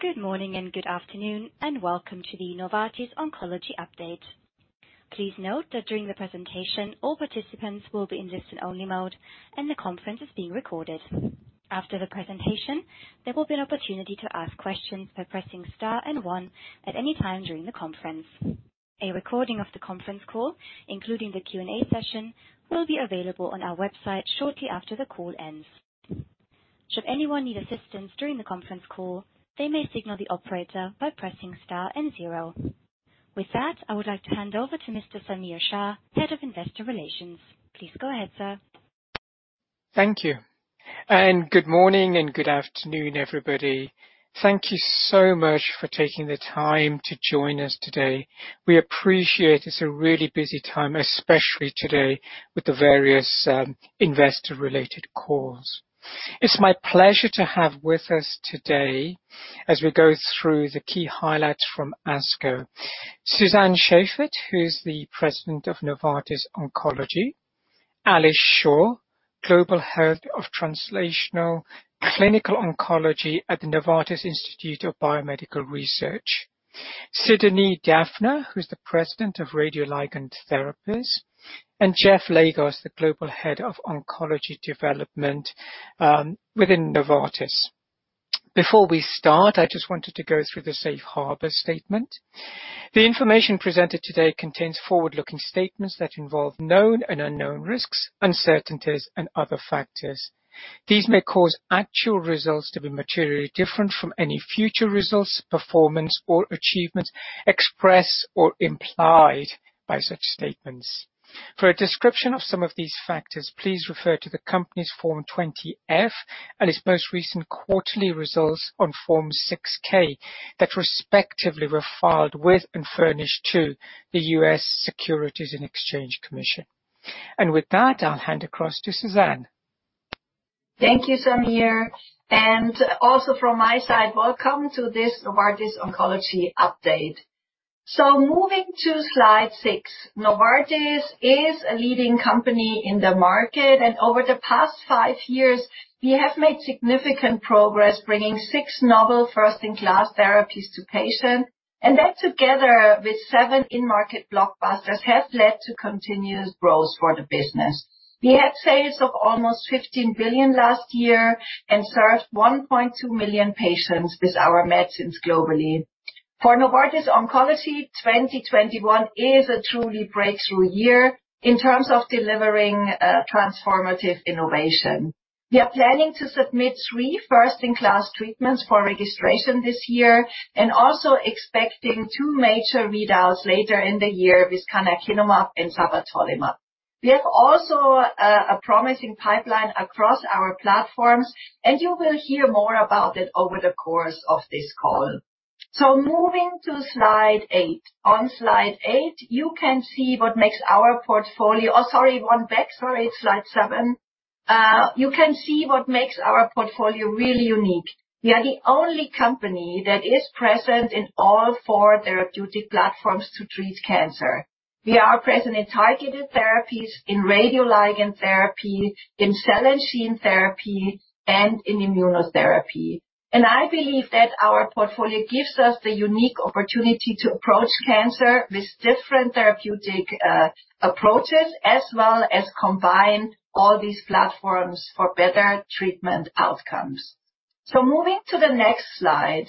Good morning and good afternoon, and welcome to the Novartis Oncology Update. Please note that during the presentation, all participants will be on listen only mode and the conference is being recorded. After the presentation, there will be an opportunity to ask questions by pressing star and one at any time during the conference. A recording of the conference call including the Q&A session will be available on our website shortly after the call end. Should anyone need assistance during the conference call, they may signal the operator by pressing star and zero, with that, I would like to hand over to Mr. Samir Shah, Head of Investor Relations. Please go ahead, sir. Thank you. Good morning and good afternoon, everybody. Thank you so much for taking the time to join us today. We appreciate it. It's a really busy time, especially today with the various investor-related calls. It's my pleasure to have with us today as we go through the key highlights from ASCO, Susanne Schaffert, who's the President of Novartis Oncology. Alice Shaw, Global Head of Translational Clinical Oncology at the Novartis Institutes for BioMedical Research. Sidonie Daffner, who's the President of Radioligand Therapies, and Jeff Legos, the Global Head of Oncology Development within Novartis. Before we start, I just wanted to go through the safe harbor statement. The information presented today contains forward-looking statements that involve known and unknown risks, uncertainties, and other factors. These may cause actual results to be materially different from any future results, performance, or achievements expressed or implied by such statements. For a description of some of these factors, please refer to the company's Form 20-F and its most recent quarterly results on Form 6-K that respectively were filed with and furnished to the U.S. Securities and Exchange Commission. With that, I'll hand across to Susanne. Thank you, Samir, and also from my side, welcome to this Novartis Oncology update. Moving to slide six. Novartis is a leading company in the market, and over the past five years, we have made significant progress bringing six novel first-in-class therapies to patients, and that together with seven in-market blockbusters, have led to continuous growth for the business. We had sales of almost $15 billion last year and served 1.2 million patients with our medicines globally. For Novartis Oncology, 2021 is a truly breakthrough year in terms of delivering transformative innovation. We are planning to submit three first-in-class treatments for registration this year and also expecting two major readouts later in the year with canakinumab and tavatowimab. We have also a promising pipeline across our platforms, and you will hear more about it over the course of this call. Moving to slide eight. On slide eight, you can see what makes our portfolio. Sorry, one back. Sorry, slide seven. You can see what makes our portfolio really unique. We are the only company that is present in all four therapeutic platforms to treat cancer. We are present in targeted therapies, in radioligand therapy, in cell and gene therapy, and in immunotherapy. I believe that our portfolio gives us the unique opportunity to approach cancer with different therapeutic approaches, as well as combine all these platforms for better treatment outcomes. Moving to the next slide.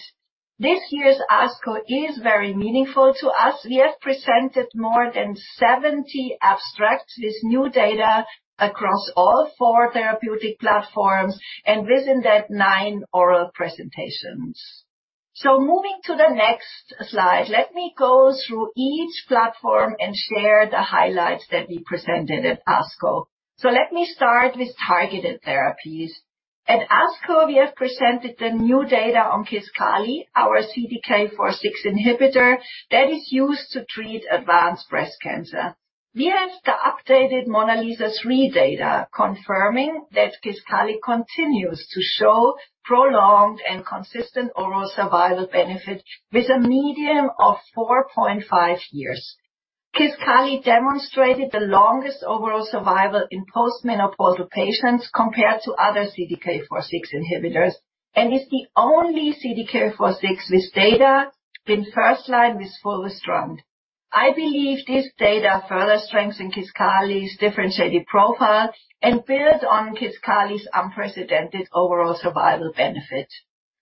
This year's ASCO is very meaningful to us. We have presented more than 70 abstracts with new data across all four therapeutic platforms and presented nine oral presentations. Moving to the next slide. Let me go through each platform and share the highlights that we presented at ASCO. Let me start with targeted therapies. At ASCO, we have presented the new data on Kisqali, our CDK4/6 inhibitor that is used to treat advanced breast cancer. We have the updated MONALEESA-3 data confirming that Kisqali continues to show prolonged and consistent overall survival benefit with a median of 4.5 years. Kisqali demonstrated the longest overall survival in post-menopausal patients compared to other CDK4/6 inhibitors and is the only CDK4/6 with data in first line with fulvestrant. I believe this data further strengthens Kisqali differentiated profile and builds on Kisqali unprecedented overall survival benefit.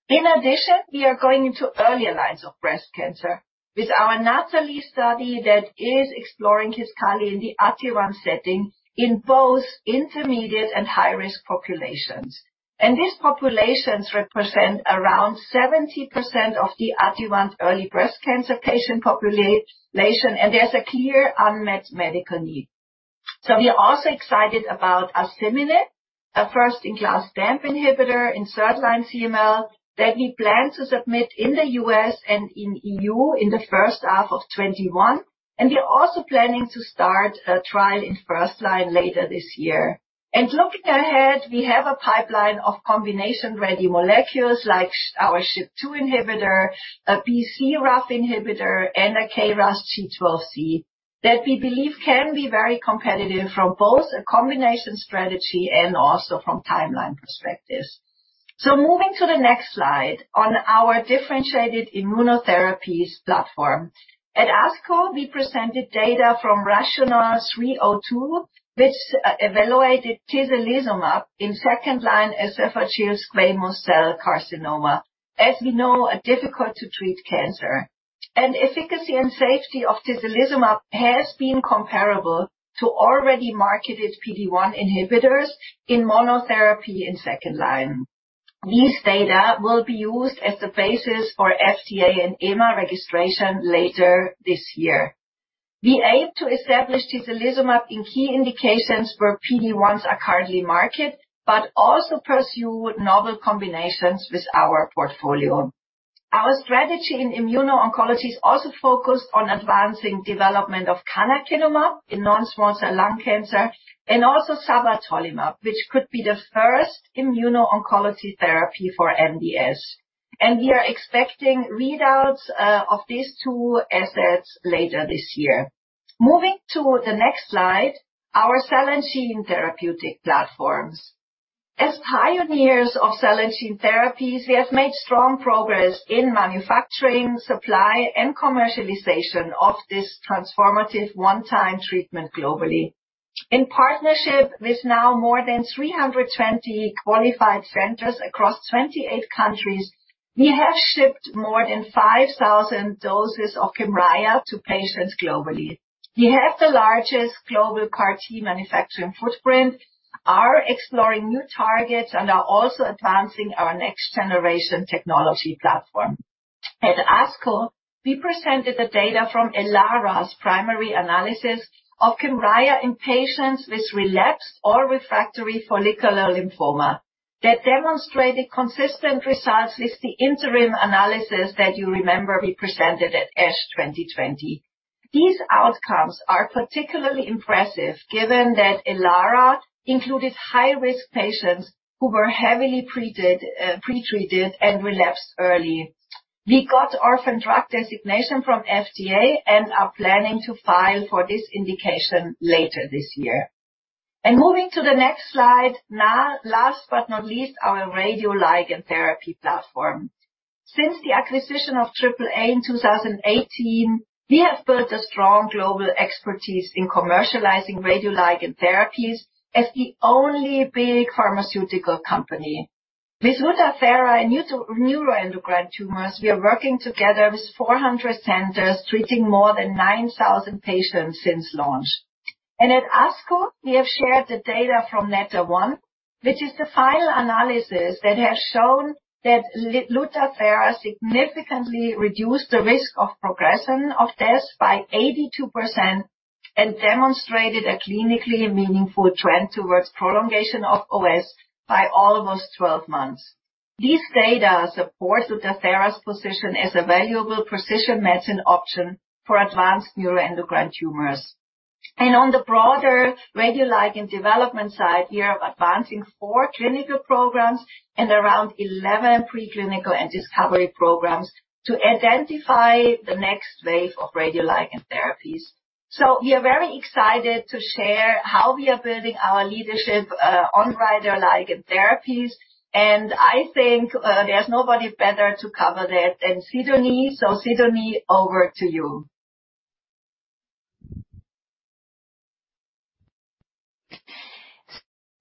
In addition, we are going into earlier lines of breast cancer with our NATALEE study that is exploring Kisqali in the upfront setting in both intermediate and high-risk populations. These populations represent around 70% of the upfront early breast cancer patient population, and there's a clear unmet medical need. We are also excited about asciminib, a first-in-class STAMP inhibitor in 3rd line CML that we plan to submit in the U.S. and in EU in the first half of 2021. We are also planning to start a trial in 1st-line later this year. Looking ahead, we have a pipeline of combination ready molecules like our SHP2 inhibitor, a B/C-RAF inhibitor, and a KRAS G12C inhibitor that we believe can be very competitive from both a combination strategy and also from timeline perspective. Moving to the next slide on our differentiated immunotherapies platform. At ASCO, we presented data from RATIONALE-302, which evaluated tislelizumab in 2nd-line esophageal squamous cell carcinoma. As we know, a difficult to treat cancer. Efficacy and safety of tislelizumab has been comparable to already marketed PD-1 inhibitors in monotherapy and 2nd-line. These data will be used as the basis for FDA and EMA registration later this year. We aim to establish tislelizumab in key indications where PD-1s are currently marketed, but also pursue novel combinations with our portfolio. Our strategy in immuno-oncology is also focused on advancing development of canakinumab in non-small cell lung cancer and also sabatolimab, which could be the first immuno-oncology therapy for MDS. We are expecting readouts of these two assets later this year. Moving to the next slide, our cell and gene therapeutic platforms. As pioneers of cell and gene therapies, we have made strong progress in manufacturing, supply, and commercialization of this transformative one-time treatment globally. In partnership with now more than 320 qualified centers across 28 countries, we have shipped more than 5,000 doses of KYMRIAH to patients globally. We have the largest global CAR T manufacturing footprint, are exploring new targets, and are also advancing our next generation technology platform. At ASCO, we presented the data from ELARA's primary analysis of KYMRIAH in patients with relapsed or refractory follicular lymphoma that demonstrated consistent results with the interim analysis that you remember we presented at ASH 2020. These outcomes are particularly impressive given that ELARA included high-risk patients who were heavily pretreated and relapsed early. We got orphan drug designation from FDA and are planning to file for this indication later this year. Moving to the next slide. Now, last but not least, our radioligand therapy platform. Since the acquisition of Triple A in 2018, we have built a strong global expertise in commercializing radioligand therapies as the only big pharmaceutical company. With LUTATHERA and neuroendocrine tumors, we are working together with 400 centers treating more than 9,000 patients since launch. At ASCO, we have shared the data from NETTER-1, which is the final analysis that has shown that LUTATHERA significantly reduced the risk of progression of this by 82% and demonstrated a clinically meaningful trend towards prolongation of OS by almost 12 months. These data support LUTATHERA's position as a valuable precision medicine option for advanced neuroendocrine tumors. On the broader radioligand development side, we are advancing four clinical programs and around 11 preclinical and discovery programs to identify the next wave of radioligand therapies. We are very excited to share how we are building our leadership on radioligand therapies, and I think there's nobody better to cover that than Sidonie. Sidonie, over to you.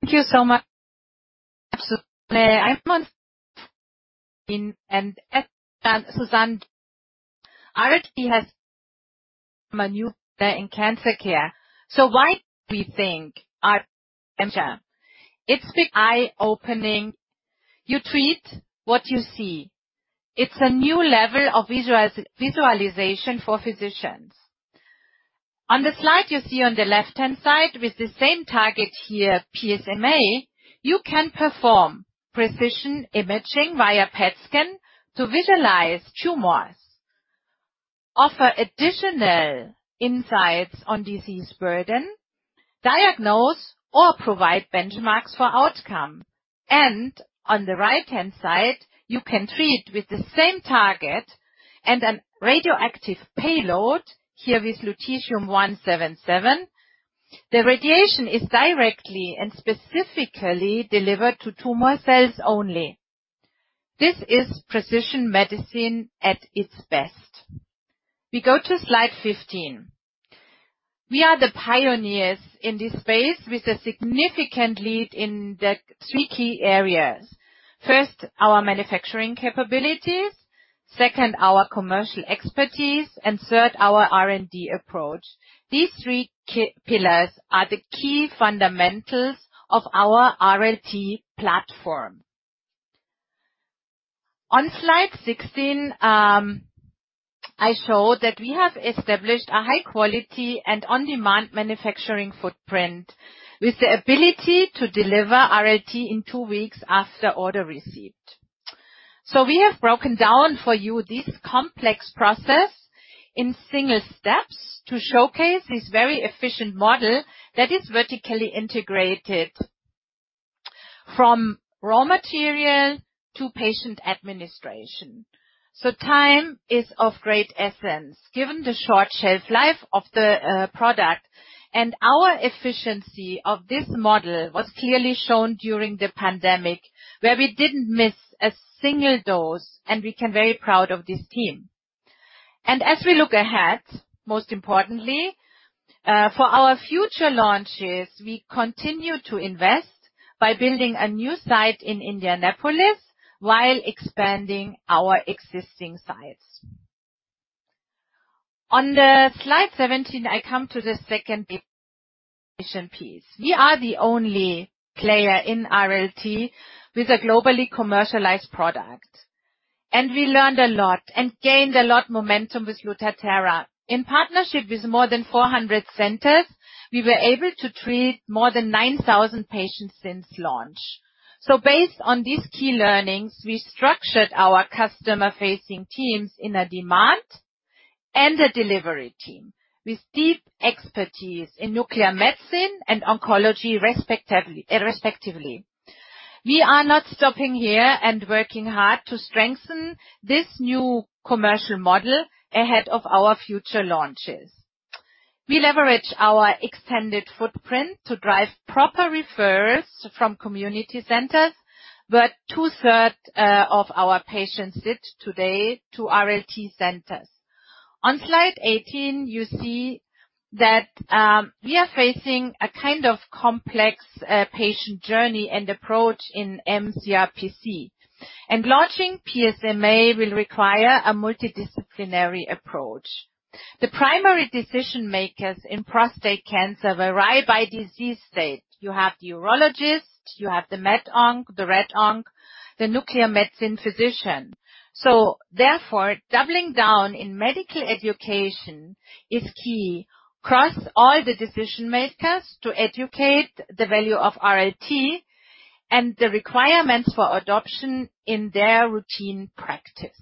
Thank you so much. in cancer care. Why do we think RLT? It's the eye-opening. You treat what you see. It's a new level of visualization for physicians. On the slide you see on the left-hand side with the same target here, PSMA, you can perform precision imaging via PET scan to visualize tumors, offer additional insights on disease burden, diagnose or provide benchmarks for outcome. On the right-hand side, you can treat with the same target and a radioactive payload, here with lutetium-177. The radiation is directly and specifically delivered to tumor cells only. This is precision medicine at its best. We go to slide 15. We are the pioneers in this space with a significant lead in the three key areas. First, our manufacturing capabilities, second, our commercial expertise, and third, our R&D approach. These three key pillars are the key fundamentals of our RLT platform. On slide 16, I show that we have established a high quality and on-demand manufacturing footprint with the ability to deliver RLT in two weeks after order receipt. We have broken down for you this complex process in single steps to showcase this very efficient model that is vertically integrated from raw material to patient administration. Time is of great essence given the short shelf life of the product. Our efficiency of this model was clearly shown during the pandemic, where we didn't miss a single dose, and we can be very proud of this team. As we look ahead, most importantly, for our future launches, we continue to invest by building a new site in Indianapolis while expanding our existing sites. On slide 17, I come to the second big piece. We are the only player in RLT with a globally commercialized product. We learned a lot and gained a lot momentum with Lutathera. In partnership with more than 400 centers, we were able to treat more than 9,000 patients since launch. Based on these key learnings, we structured our customer-facing teams in a demand and a delivery team with deep expertise in nuclear medicine and oncology respectively. We are not stopping here and working hard to strengthen this new commercial model ahead of our future launches. We leverage our extended footprint to drive proper referrals from community centers, where two-thirds of our patients sit today to RLT centers. On slide 18, you see that we are facing a kind of complex patient journey and approach in mCRPC. Launching PSMA will require a multidisciplinary approach. The primary decision-makers in prostate cancer vary by disease state. You have the urologist, you have the med onc, the rad onc, the nuclear medicine physician. Therefore, doubling down in medical education is key across all the decision-makers to educate the value of RLT and the requirements for adoption in their routine practice.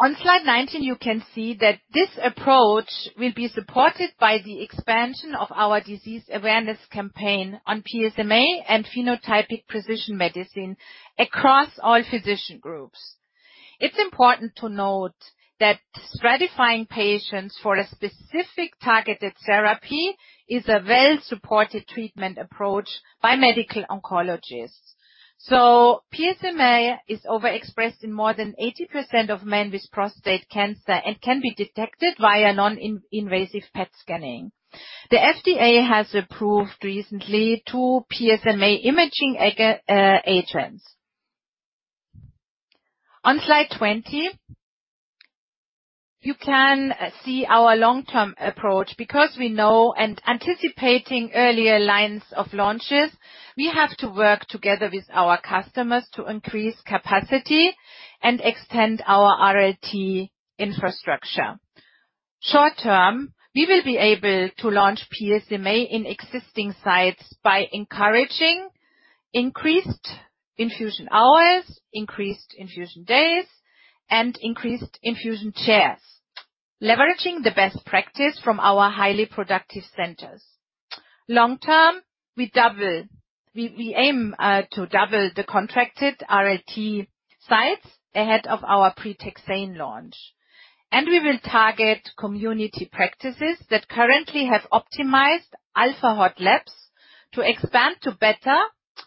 On slide 19, you can see that this approach will be supported by the expansion of our disease awareness campaign on PSMA and phenotypic precision medicine across all physician groups. It's important to note that stratifying patients for a specific targeted therapy is a well-supported treatment approach by medical oncologists. PSMA is overexpressed in more than 80% of men with prostate cancer and can be detected via non-invasive PET scanning. The FDA has approved recently two PSMA imaging agents. On slide 20, you can see our long-term approach, because we know and anticipating earlier lines of launches, we have to work together with our customers to increase capacity and extend our RLT infrastructure. Short term, we will be able to launch PSMA in existing sites by encouraging increased infusion hours, increased infusion days, and increased infusion chairs, leveraging the best practice from our highly productive centers. Long term, we aim to double the contracted RLT sites ahead of our pretaxane launch. We will target community practices that currently have optimized alpha hot labs to expand to better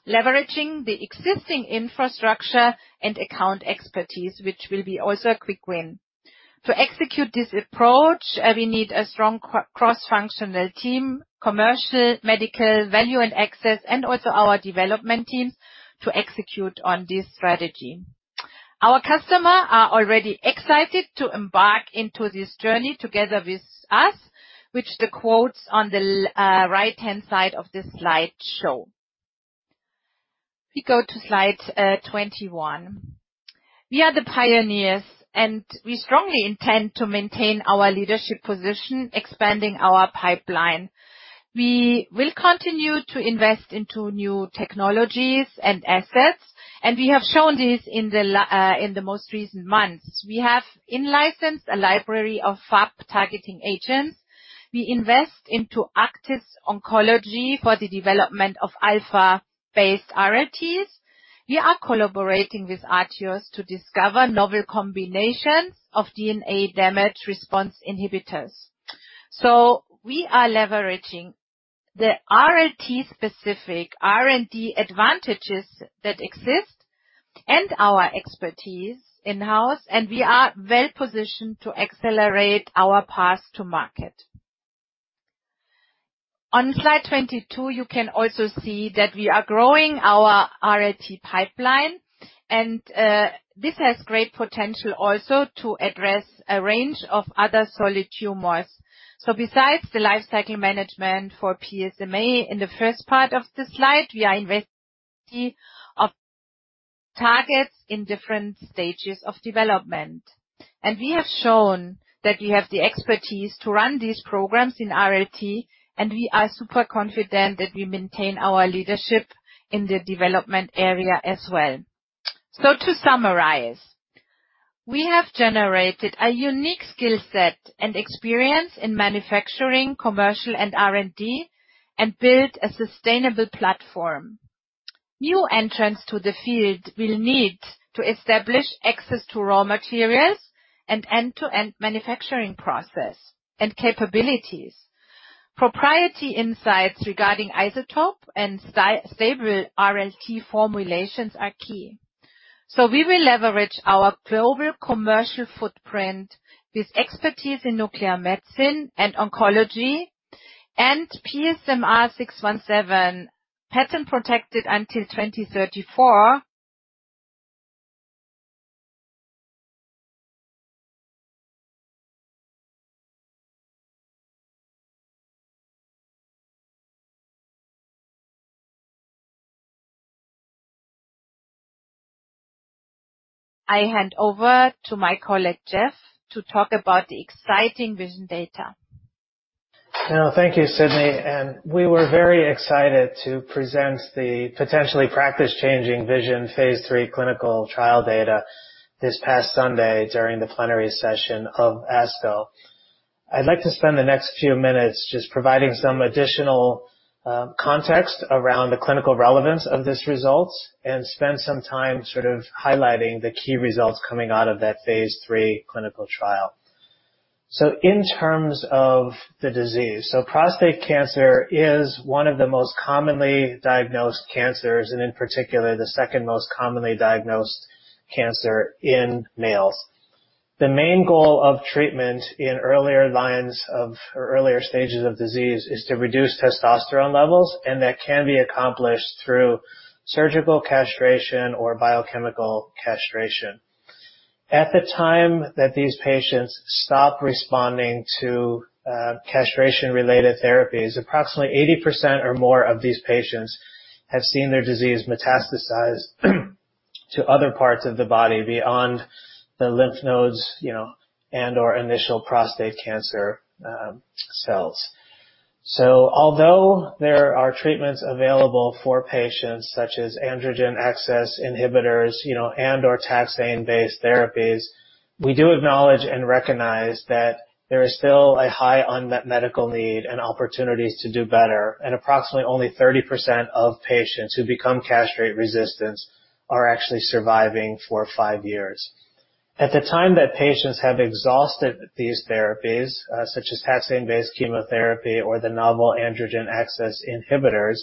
leveraging the existing infrastructure and account expertise, which will be also a quick win. To execute this approach, we need a strong cross-functional team, commercial, medical, value and access, and also our development teams to execute on this strategy. Our customers are already excited to embark into this journey together with us, which the quotes on the right-hand side of the slide show. We go to slide 21. We are the pioneers, we strongly intend to maintain our leadership position, expanding our pipeline. We will continue to invest into new technologies and assets, we have shown this in the most recent months. We have in-licensed a library of FAP-targeting agents. We invest into Actinium Pharmaceuticals for the development of alpha-based RLTs. We are collaborating with Artios Pharma to discover novel combinations of DNA damage response inhibitors. We are leveraging the RLT-specific R&D advantages that exist and our expertise in-house, and we are well-positioned to accelerate our path to market. On slide 22, you can also see that we are growing our RLT pipeline, and this has great potential also to address a range of other solid tumors. Besides the life cycle management for PSMA, in the first part of the slide, we are investing in targets in different stages of development. We have shown that we have the expertise to run these programs in RLT, and we are super confident that we maintain our leadership in the development area as well. To summarize, we have generated a unique skill set and experience in manufacturing, commercial, and R&D, and built a sustainable platform. New entrants to the field will need to establish access to raw materials and end-to-end manufacturing process and capabilities. Proprietary insights regarding isotope and stable RLT formulations are key. We will leverage our global commercial footprint with expertise in nuclear medicine and oncology, and Lu-PSMA-617 patent protected until 2034. I hand over to my colleague, Jeff, to talk about the exciting VISION data. Thank you, Sidonie. We were very excited to present the potentially practice-changing VISION Phase III clinical trial data this past Sunday during the plenary session of ASCO. I'd like to spend the next few minutes just providing some additional context around the clinical relevance of this result and spend some time highlighting the key results coming out of that Phase III clinical trial. In terms of the disease, prostate cancer is one of the most commonly diagnosed cancers, and in particular, the second most commonly diagnosed cancer in males. The main goal of treatment in earlier lines of earlier stages of disease is to reduce testosterone levels, and that can be accomplished through surgical castration or biochemical castration. At the time that these patients stop responding to castration-related therapies, approximately 80% or more of these patients have seen their disease metastasize to other parts of the body beyond the lymph nodes, and/or initial prostate cancer cells. Although there are treatments available for patients such as androgen axis inhibitors and/or taxane-based therapies, we do acknowledge and recognize that there is still a high unmet medical need and opportunities to do better, and approximately only 30% of patients who become castrate resistant are actually surviving for five years. At the time that patients have exhausted these therapies, such as taxane-based chemotherapy or the novel androgen axis inhibitors,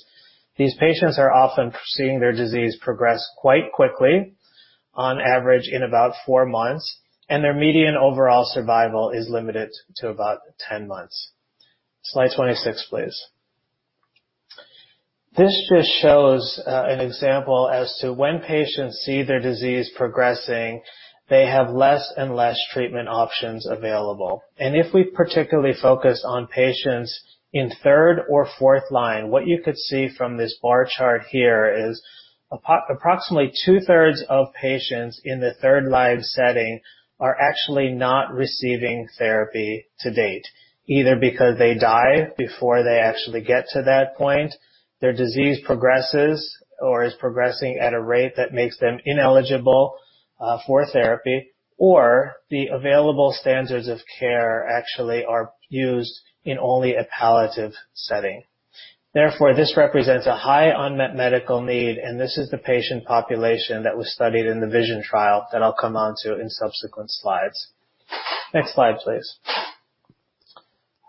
these patients are often seeing their disease progress quite quickly, on average in about four months, and their median overall survival is limited to about 10 months. Slide 26, please. This just shows an example as to when patients see their disease progressing, they have less and less treatment options available. If we particularly focus on patients in third or fourth line, what you could see from this bar chart here is approximately 2/3 of patients in the 3rd-line setting are actually not receiving therapy to date, either because they die before they actually get to that point, their disease progresses or is progressing at a rate that makes them ineligible for therapy, or the available standards of care actually are used in only a palliative setting. Therefore, this represents a high unmet medical need, and this is the patient population that we studied in the VISION trial that I'll come onto in subsequent slides. Next slide, please.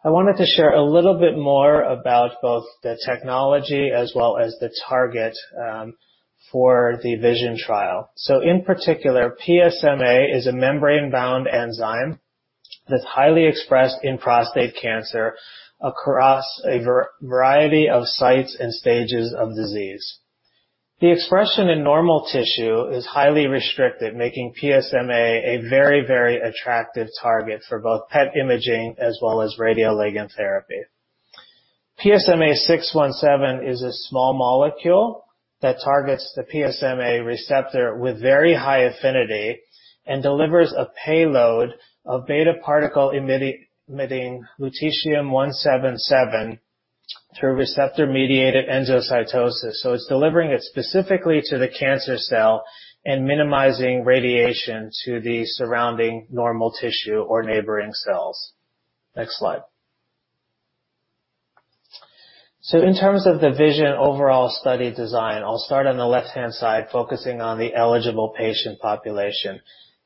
I wanted to share a little bit more about both the technology as well as the target for the VISION trial. In particular, PSMA is a membrane-bound enzyme that's highly expressed in prostate cancer across a variety of sites and stages of disease. The expression in normal tissue is highly restricted, making PSMA a very attractive target for both PET imaging as well as radioligand therapy. Lu-PSMA-617 is a small molecule that targets the PSMA receptor with very high affinity and delivers a payload of beta particle emitting lutetium-177 through receptor-mediated endocytosis. It's delivering it specifically to the cancer cell and minimizing radiation to the surrounding normal tissue or neighboring cells. Next slide. In terms of the VISION overall study design, I'll start on the left-hand side, focusing on the eligible patient population.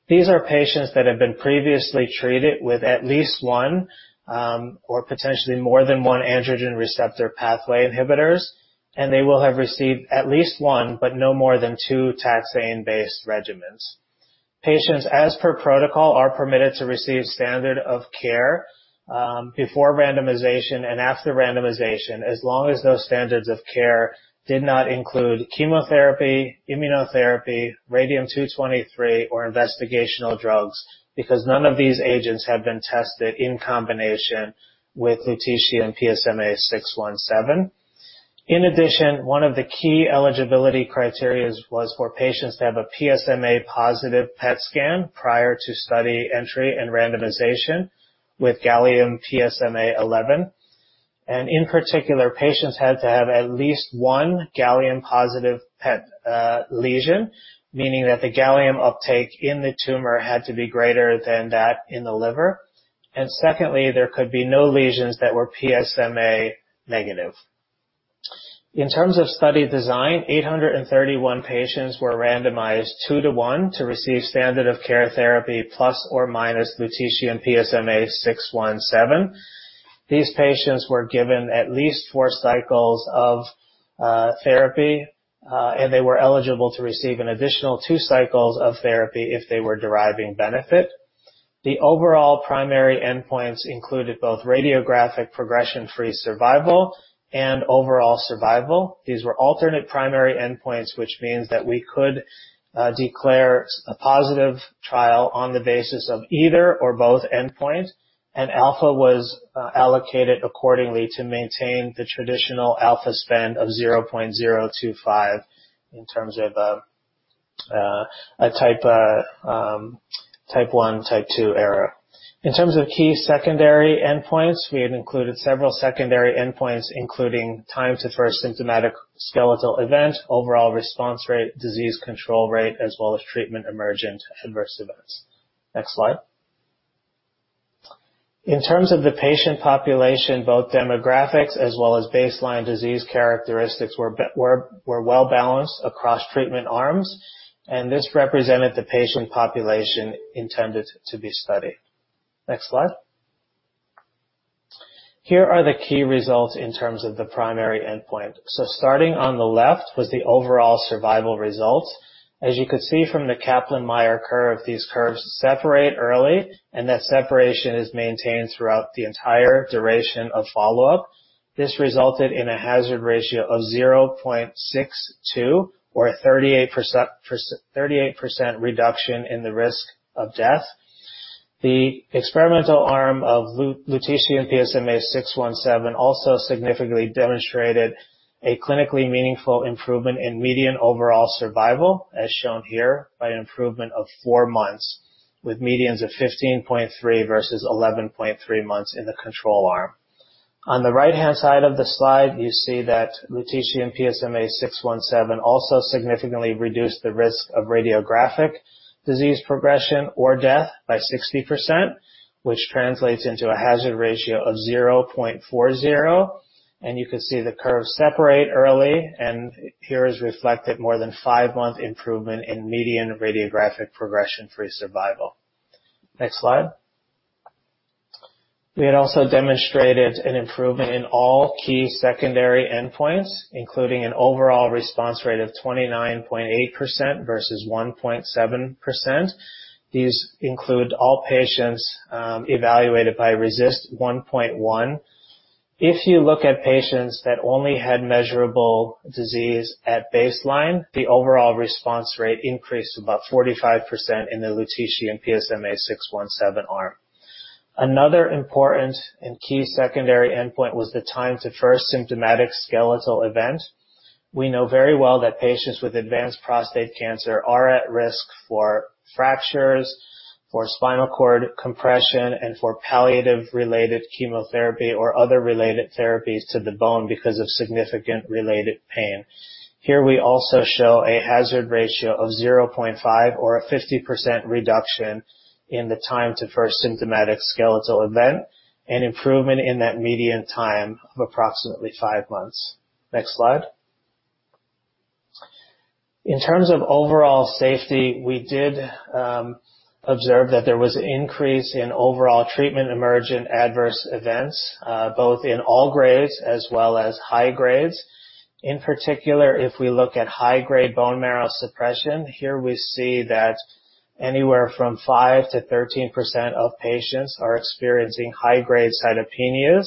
These are patients that have been previously treated with at least one, or potentially more than one androgen receptor pathway inhibitors, and they will have received at least one but no more than two taxane-based regimens. Patients, as per protocol, are permitted to receive standard of care before randomization and after randomization, as long as those standards of care did not include chemotherapy, immunotherapy, radium-223, or investigational drugs, because none of these agents have been tested in combination with lutetium PSMA 617. In addition, one of the key eligibility criterias was for patients to have a PSMA positive PET scan prior to study entry and randomization with gallium PSMA 11. In particular, patients had to have at least one gallium positive PET lesion, meaning that the gallium uptake in the tumor had to be greater than that in the liver. Secondly, there could be no lesions that were PSMA negative. In terms of study design, 831 patients were randomized 2:1 to receive standard of care therapy plus or minus lutetium PSMA-617. These patients were given at least four cycles of therapy, and they were eligible to receive an additional two cycles of therapy if they were deriving benefit. The overall primary endpoints included both radiographic progression-free survival and overall survival. These were alternate primary endpoints, which means that we could declare a positive trial on the basis of either or both endpoints, and alpha was allocated accordingly to maintain the traditional alpha spend of 0.025 in terms of a type one, type two error. In terms of key secondary endpoints, we had included several secondary endpoints, including time to first symptomatic skeletal event, overall response rate, disease control rate, as well as treatment emergent adverse events. Next slide. In terms of the patient population, both demographics as well as baseline disease characteristics were well-balanced across treatment arms, and this represented the patient population intended to be studied. Next slide. Here are the key results in terms of the primary endpoint. Starting on the left was the overall survival results. As you can see from the Kaplan-Meier curve, these curves separate early, and that separation is maintained throughout the entire duration of follow-up. This resulted in a hazard ratio of 0.62 or 38% reduction in the risk of death. The experimental arm of lutetium PSMA-617 also significantly demonstrated a clinically meaningful improvement in median overall survival, as shown here, by an improvement of four months, with medians of 15.3 versus 11.3 months in the control arm. On the right-hand side of the slide, you see that lutetium PSMA-617 also significantly reduced the risk of radiographic disease progression or death by 60%, which translates into a hazard ratio of 0.40, you can see the curves separate early and here is reflected more than five-month improvement in median radiographic progression-free survival. Next slide. We also demonstrated an improvement in all key secondary endpoints, including an overall response rate of 29.8% versus 1.7%. These include all patients evaluated by RECIST 1.1. If you look at patients that only had measurable disease at baseline, the overall response rate increased to about 45% in the lutetium PSMA-617 arm. Another important and key secondary endpoint was the time to first symptomatic skeletal event. We know very well that patients with advanced prostate cancer are at risk for fractures, for spinal cord compression, and for palliative-related chemotherapy or other related therapies to the bone because of significant related pain. Here we also show a hazard ratio of 0.5 or a 50% reduction in the time to first symptomatic skeletal event, an improvement in that median time of approximately five months. Next slide. In terms of overall safety, we did observe that there was an increase in overall treatment emergent adverse events, both in all grades as well as high grades. In particular, if we look at high-grade bone marrow suppression, here we see that anywhere from 5%-13% of patients are experiencing high-grade cytopenias.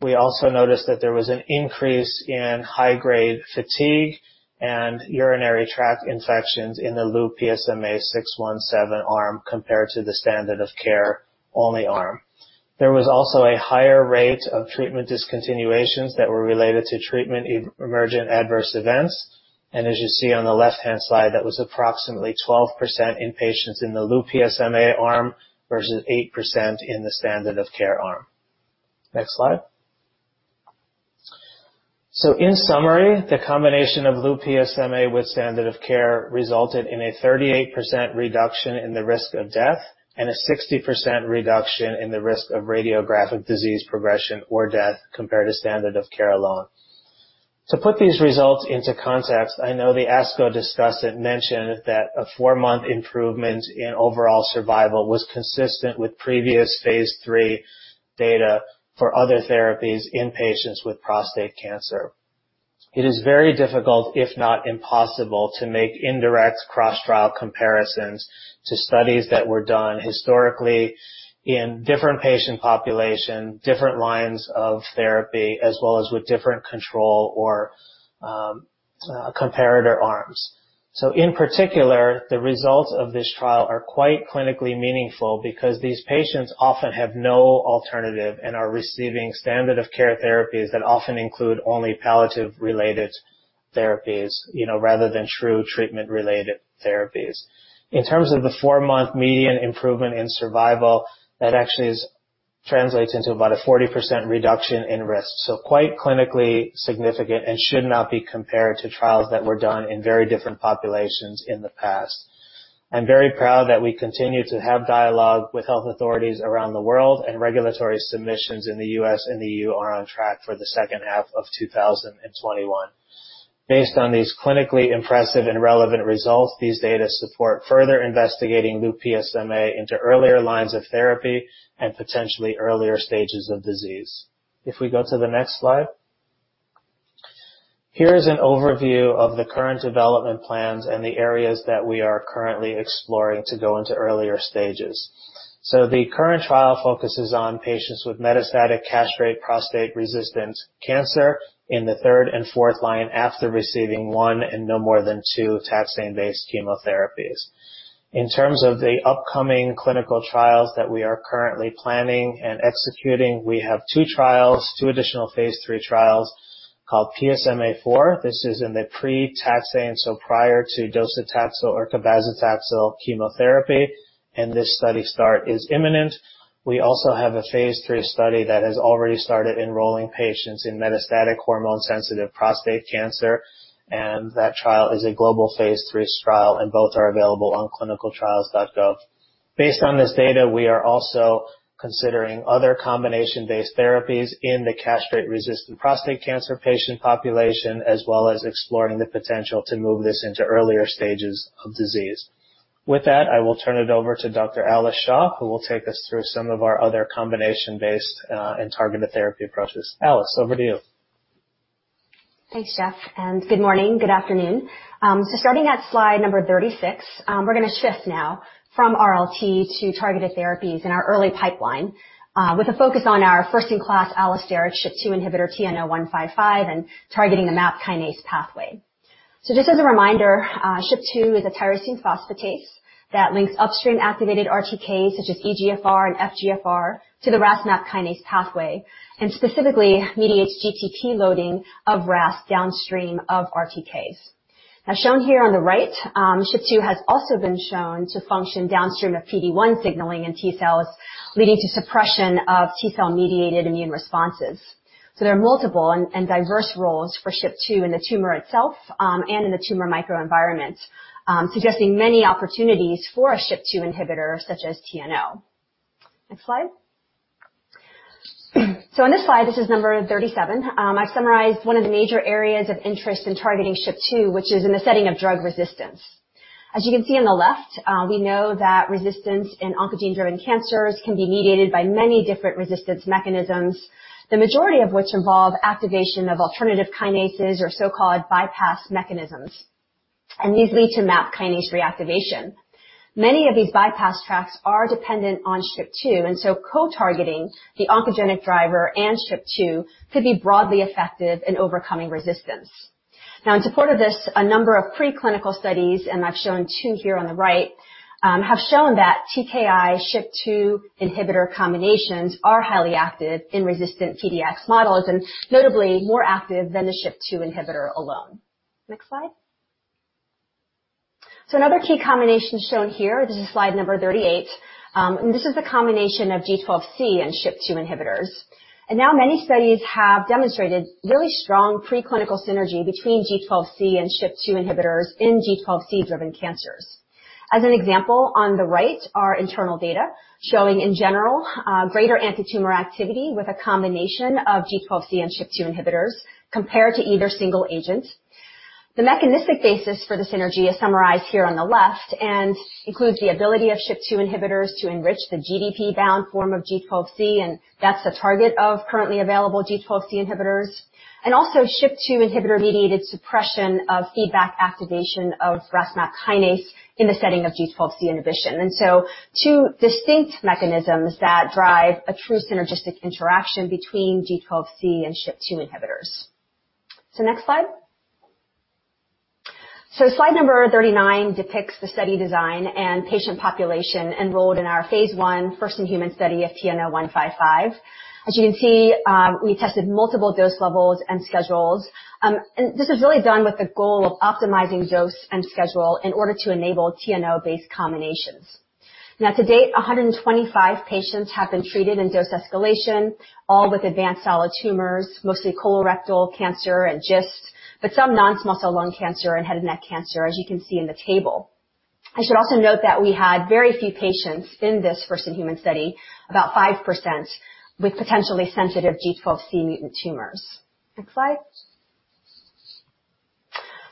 We also noticed that there was an increase in high-grade fatigue and urinary tract infections in the Lu-PSMA-617 arm compared to the standard of care only arm. There was also a higher rate of treatment discontinuations that were related to treatment emergent adverse events. As you see on the left-hand side, that was approximately 12% in patients in the Lu-PSMA arm versus 8% in the standard of care arm. Next slide. In summary, the combination of Lu-PSMA with standard of care resulted in a 38% reduction in the risk of death and a 60% reduction in the risk of radiographic disease progression or death compared to standard of care alone. To put these results into context, I know the ASCO discussant mentioned that a four-month improvement in overall survival was consistent with previous phase III data for other therapies in patients with prostate cancer. It is very difficult, if not impossible, to make indirect cross-trial comparisons to studies that were done historically in different patient populations, different lines of therapy, as well as with different control or comparator arms. In particular, the results of this trial are quite clinically meaningful because these patients often have no alternative and are receiving standard of care therapies that often include only palliative-related therapies, rather than true treatment-related therapies. In terms of the four-month median improvement in survival, that actually translates into about a 40% reduction in risk, quite clinically significant and should not be compared to trials that were done in very different populations in the past. I'm very proud that we continue to have dialogue with health authorities around the world. Regulatory submissions in the U.S. and the E.U. are on track for the second half of 2021. Based on these clinically impressive and relevant results, these data support further investigating Lu-PSMA into earlier lines of therapy and potentially earlier stages of disease. If we go to the next slide. Here is an overview of the current development plans and the areas that we are currently exploring to go into earlier stages. The current trial focuses on patients with metastatic castrate prostate resistance cancer in the third and fourth line after receiving one and no more than two taxane-based chemotherapies. In terms of the upcoming clinical trials that we are currently planning and executing, we have two additional phase III trials called PSMAfore. This is in the pre-taxane, so prior to docetaxel or cabazitaxel chemotherapy, and this study start is imminent. We also have a phase III study that has already started enrolling patients in metastatic hormone-sensitive prostate cancer, and that trial is a global phase III trial, and both are available on clinicaltrials.gov. Based on this data, we are also considering other combination-based therapies in the castrate-resistant prostate cancer patient population, as well as exploring the potential to move this into earlier stages of disease. With that, I will turn it over to Dr. Alice Shaw, who will take us through some of our other combination-based and targeted therapy approaches. Alice, over to you. Thanks, Jeff. Good morning, good afternoon. Starting at slide number 36, we're going to shift now from RLT to targeted therapies in our early pipeline with a focus on our first-in-class allosteric SHP2 inhibitor TNO155 and targeting the MAP kinase pathway. Just as a reminder, SHP2 is a tyrosine phosphatase that links upstream activated RTKs such as EGFR and FGFR to the RAS MAP kinase pathway and specifically mediates GTP loading of RAS downstream of RTKs. As shown here on the right, SHP2 has also been shown to function downstream of PD-1 signaling in T-cells, leading to suppression of T-cell mediated immune responses. There are multiple and diverse roles for SHP2 in the tumor itself and in the tumor microenvironment, suggesting many opportunities for a SHP2 inhibitor such as TNO. Next slide. In this slide, this is number 37, I summarized one of the major areas of interest in targeting SHP2, which is in the setting of drug resistance. As you can see on the left, we know that resistance in oncogenic cancers can be mediated by many different resistance mechanisms, the majority of which involve activation of alternative kinases or so-called bypass mechanisms, and these lead to MAP kinase reactivation. Many of these bypass paths are dependent on SHP2, co-targeting the oncogenic driver and SHP2 could be broadly effective in overcoming resistance. In support of this, a number of preclinical studies, and I've shown two here on the right, have shown that TKI/SHP2 inhibitor combinations are highly active in resistant PDX models and notably more active than the SHP2 inhibitor alone. Next slide. Another key combination shown here, this is slide number 38, and this is the combination of G12C and SHP2 inhibitors. Now many studies have demonstrated really strong preclinical synergy between G12C and SHP2 inhibitors in G12C-driven cancers. As an example, on the right are internal data showing, in general, greater anti-tumor activity with a combination of G12C and SHP2 inhibitors compared to either single agent. The mechanistic basis for the synergy is summarized here on the left and includes the ability of SHP2 inhibitors to enrich the GDP-bound form of G12C, and that's the target of currently available G12C inhibitors, and also SHP2 inhibitor-mediated suppression of feedback activation of RAS MAP kinase in the setting of G12C inhibition. Two distinct mechanisms that drive a true synergistic interaction between G12C and SHP2 inhibitors. Next slide. Slide number 39 depicts the study design and patient population enrolled in our phase I, first-in-human study of TNO155. As you can see, we tested multiple dose levels and schedules, and this was really done with the goal of optimizing dose and schedule in order to enable TNO-based combinations. To date, 125 patients have been treated in dose escalation, all with advanced solid tumors, mostly colorectal cancer and GIST, but some non-small cell lung cancer and head and neck cancer, as you can see in the table. I should also note that we had very few patients in this first-in-human study, about 5%, with potentially sensitive G12C mutant tumors. Next slide.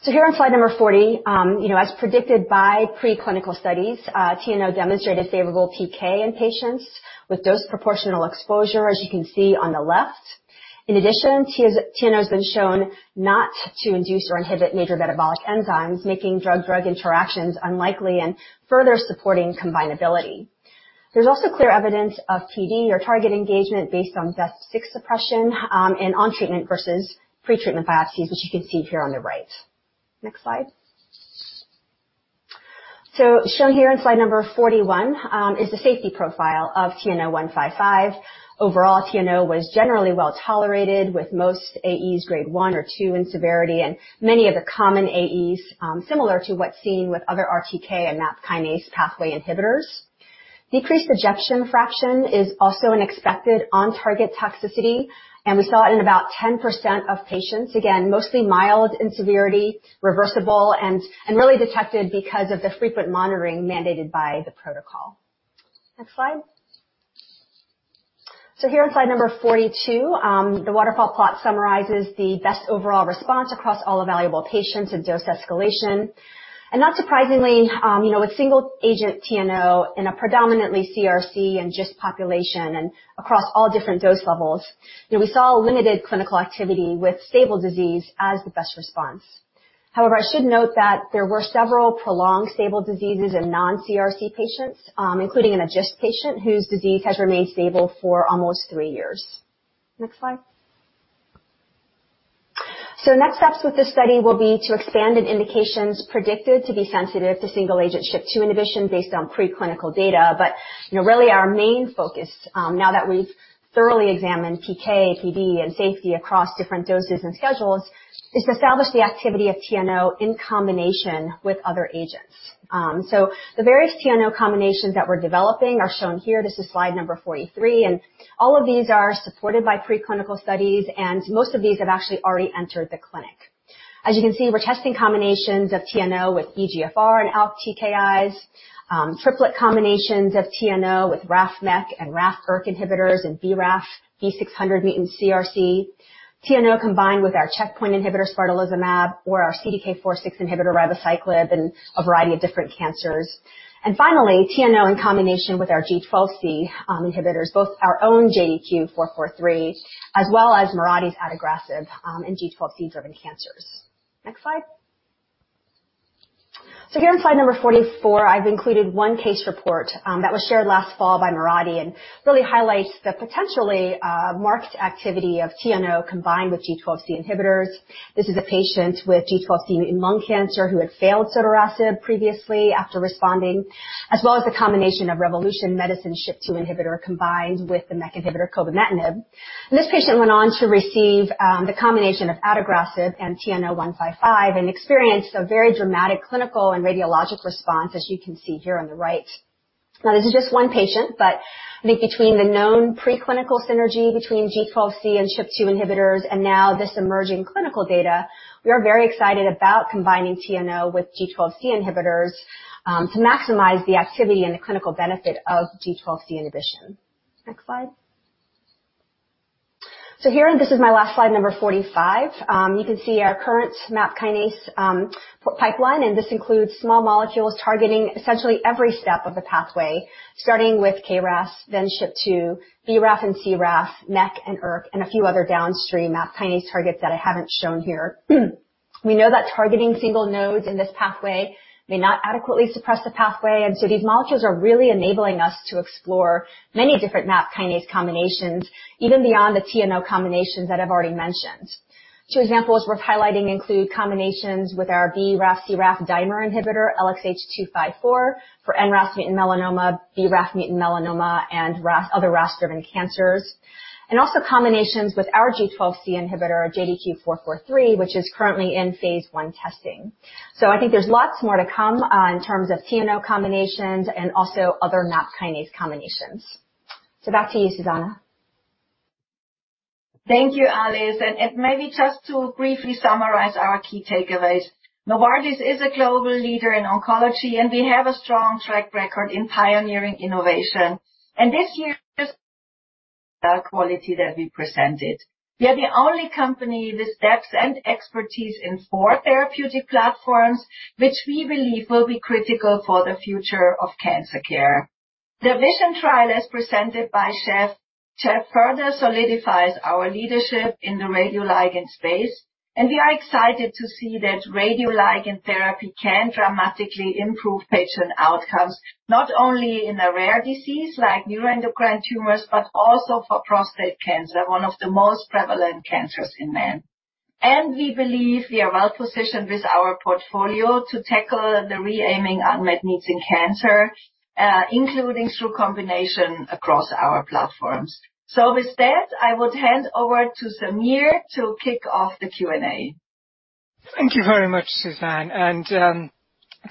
Here on slide number 40, as predicted by preclinical studies, TNO demonstrated favorable PK in patients with dose proportional exposure, as you can see on the left. In addition, TNO has been shown not to induce or inhibit major metabolic enzymes, making drug-drug interactions unlikely and further supporting combinability. There's also clear evidence of PD or target engagement based on PHEX6 suppression in on-treatment versus pre-treatment biopsies, as you can see here on the right. Next slide. Shown here on slide number 41 is the safety profile of TNO155. Overall, TNO was generally well-tolerated, with most AEs grade one or two in severity and many of the common AEs similar to what's seen with other RTK and MAP kinase pathway inhibitors. Decreased ejection fraction is also an expected on-target toxicity, and we saw it in about 10% of patients. Again, mostly mild in severity, reversible, and really detected because of the frequent monitoring mandated by the protocol. Next slide. Here on slide number 42, the waterfall plot summarizes the best overall response across all valuable patients in dose escalation. Not surprisingly, with single-agent TNO in a predominantly CRC and GIST population and across all different dose levels, we saw limited clinical activity with stable disease as the best response. However, I should note that there were several prolonged stable diseases in non-CRC patients, including a GIST patient whose disease has remained stable for almost three years. Next slide. Next steps with the study will be to expand the indications predicted to be sensitive to single-agent SHP2 inhibition based on preclinical data. Really our main focus, now that we've thoroughly examined PK, PD, and safety across different doses and schedules, is to establish the activity of TNO in combination with other agents. The various TNO combinations that we're developing are shown here. This is slide number 43. All of these are supported by preclinical studies. Most of these have actually already entered the clinic. As you can see, we're testing combinations of TNO with EGFR and ALK TKIs, triplet combinations of TNO with RAF/MEK and RAF/ERK inhibitors with BRAF V600 mutant CRC, TNO combined with our checkpoint inhibitors sabatolimab or our CDK4/6 inhibitor ribociclib in a variety of different cancers. Finally, TNO in combination with our G12C inhibitors, both our own JDQ443, as well as Mirati's adagrasib in G12C-driven cancers. Next slide. Here on slide number 44, I've included one case report that was shared last fall by Mirati and really highlights the potentially marked activity of TNO combined with G12C inhibitors. This is a patient with G12C mutant lung cancer who had failed sotorasib previously after responding, as well as a combination of Revolution Medicines' SHP2 inhibitor combined with the MEK inhibitor cobimetinib. This patient went on to receive the combination of adagrasib and TNO155 and experienced a very dramatic clinical and radiologic response, as you can see here on the right. This is just one patient, but I think between the known preclinical synergy between G12C and SHP2 inhibitors and now this emerging clinical data, we are very excited about combining TNO with G12C inhibitors to maximize the activity and the clinical benefit of G12C inhibition. Next slide. Here, this is my last slide, number 45. You can see our current MAP kinase pipeline. This includes small molecules targeting essentially every step of the pathway, starting with KRAS, then SHP2, BRAF and CRAF, MEK and ERK, and a few other downstream MAP kinase targets that I haven't shown here. We know that targeting single nodes in this pathway may not adequately suppress the pathway. These molecules are really enabling us to explore many different MAP kinase combinations, even beyond the TNO combinations that I've already mentioned. Two examples worth highlighting include combinations with our BRAF/CRAF dimer inhibitor, LXH254, for NRAS mutant melanoma, BRAF mutant melanoma, and other RAF-driven cancers. Also combinations with our G12C inhibitor, JDQ443, which is currently in phase I testing. I think there's lots more to come in terms of TNO combinations and also other MAP kinase combinations. Back to you, Susanne. Thank you, Alice. Maybe just to briefly summarize our key takeaways. Novartis is a global leader in oncology, and we have a strong track record in pioneering innovation. This year, quality that we presented. We are the only company with depth and expertise in four therapeutic platforms, which we believe will be critical for the future of cancer care. The VISION trial, as presented by Jeff Legos, further solidifies our leadership in the radioligand space, and we are excited to see that radioligand therapy can dramatically improve patient outcomes, not only in a rare disease like neuroendocrine tumors but also for prostate cancer, one of the most prevalent cancers in men. We believe we are well-positioned with our portfolio to tackle the remaining unmet needs in cancer, including through combination across our platforms. With that, I would hand over to Samir to kick off the Q&A. Thank you very much, Susanne, and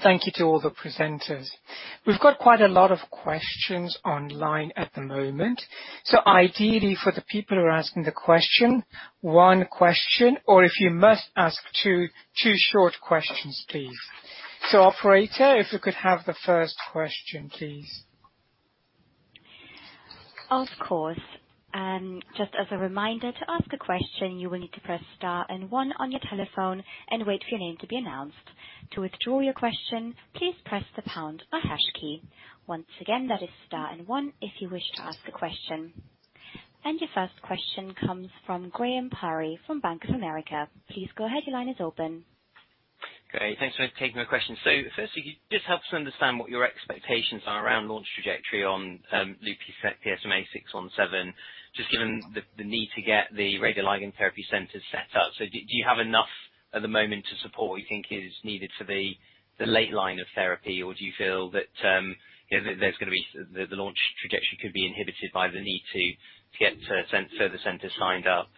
thank you to all the presenters. We've got quite a lot of questions online at the moment, so ideally for the people who are asking the question, one question, or if you must ask two short questions, please. Operator, if we could have the first question, please. Of course. Just as a reminder, to ask a question, you will need to press star one on your telephone and wait for your name to be announced. To withdraw your question, please press the pound or hash key. Once again, that is star one if you wish to ask a question. Your first question comes from Graham Parry from Bank of America. Please go ahead. Your line is open. Great. Thanks for taking my question. Firstly, could you just help us understand what your expectations are around launch trajectory on Lu-PSMA-617, just given the need to get the radioligand therapy centers set up? Do you have enough at the moment to support what you think is needed to be the late line of therapy, or do you feel that the launch trajectory could be inhibited by the need to get further centers lined up?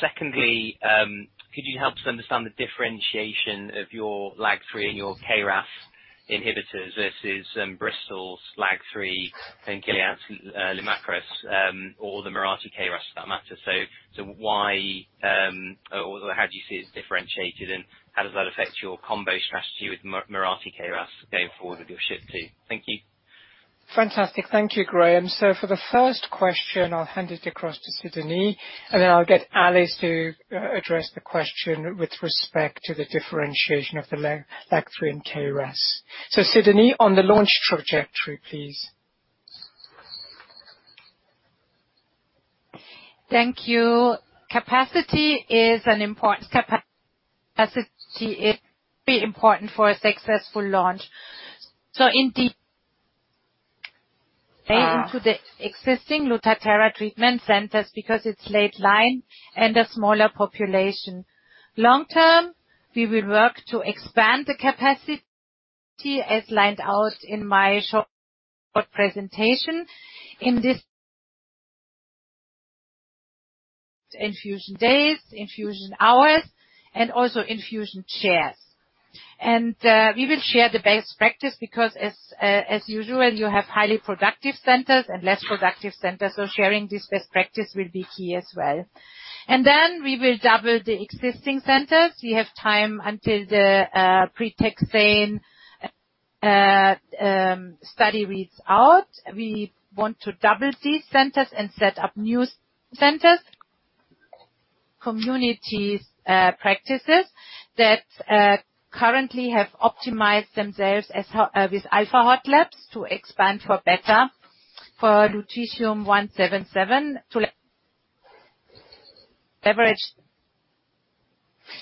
Secondly, could you help us understand the differentiation of your LAG-3 and your KRAS Inhibitors versus Bristol's LAG-3 and Gilead's LEMTRADA, or the Mirati KRAS for that matter. How do you see it's differentiated, and how does that affect your combo strategy with Mirati KRAS going forward with your shift too? Thank you. Fantastic. Thank you, Graham. For the first question, I'll hand it across to Sidonie and then I'll get Alice to address the question with respect to the differentiation of the LAG-3 and KRAS. Sidonie, on the launch trajectory, please. Thank you. Capacity is pretty important for a successful launch. Indeed, into the existing LUTATHERA treatment centers because it's late line and a smaller population. Long term, we will work to expand the capacity as lined out in my short presentation. In this infusion days, infusion hours, and also infusion chairs. We will share the best practice because as usual, you have highly productive centers and less productive centers. Sharing this best practice will be key as well. We will double the existing centers. We have time until the pre-taxane study reads out. We want to double these centers and set up new centers, communities, practices that currently have optimized themselves with Alpha Hot Labs to expand for better for lutetium-177 to leverage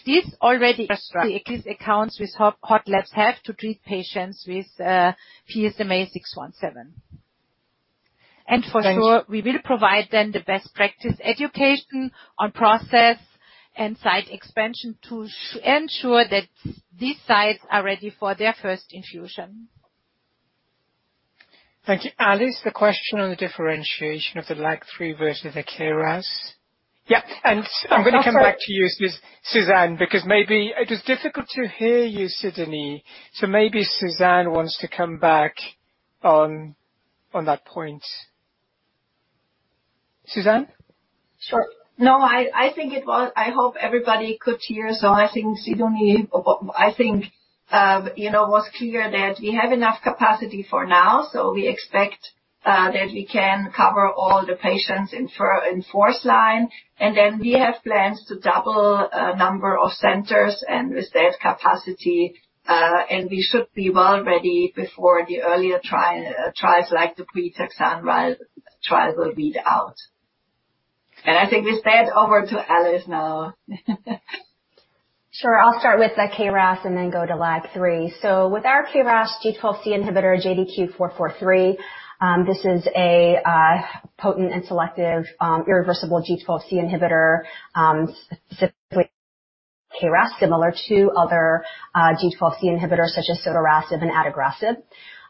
these already existing accounts with Hot Labs have to treat patients with Lu-PSMA-617. For sure, we will provide them the best practice education on process and site expansion to ensure that these sites are ready for their first infusion. Thank you. Alice, the question on the differentiation of the LAG-3 versus the KRAS. Yeah, I'm going to come back to you, Susanne, because maybe it was difficult to hear you, Sidonie. Maybe Susanne wants to come back on that point. Susanne? Sure. No, I hope everybody could hear. I think, Sidonie was clear that we have enough capacity for now. We expect that we can cover all the patients in first line, and then we have plans to double a number of centers and reserve capacity, and we should be well ready before the earlier trial, selective pre-taxane trial will read out. I think with that, over to Alice now. Sure. I'll start with the KRAS and then go to LAG-3. With our KRAS G12C inhibitor, JDQ443, this is a potent and selective, irreversible G12C inhibitor, specifically KRAS, similar to other G12C inhibitors such as sotorasib and adagrasib.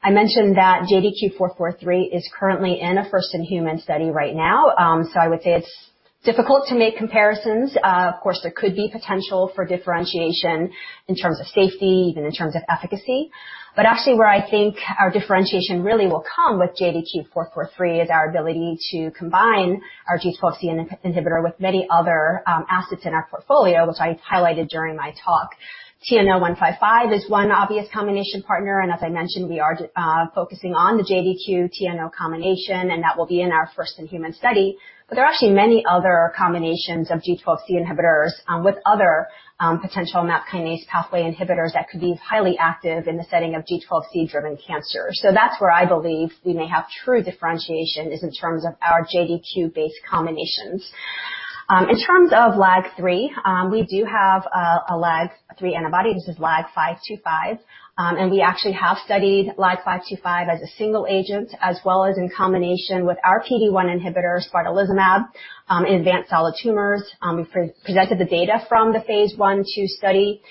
I mentioned that JDQ443 is currently in a first-in-human study right now. I would say it's difficult to make comparisons. Of course, there could be potential for differentiation in terms of safety, even in terms of efficacy. Actually where I think our differentiation really will come with JDQ443 is our ability to combine our G12C inhibitor with many other assets in our portfolio, which I highlighted during my talk. TNO155 is one obvious combination partner, and as I mentioned, we are focusing on the JDQ TNO combination, and that will be in our first-in-human study. There are actually many other combinations of G12C inhibitors, with other potential MAP kinase pathway inhibitors that could be highly active in the setting of G12C driven cancer. That's where I believe we may have true differentiation is in terms of our JDQ-based combinations. In terms of LAG-3, we do have a LAG-3 antibody, which is LAG525, and we actually have studied LAG525 as a single agent as well as in combination with our PD-1 inhibitor, spartalizumab, in advanced solid tumors. Presented the data from the phase I/II study,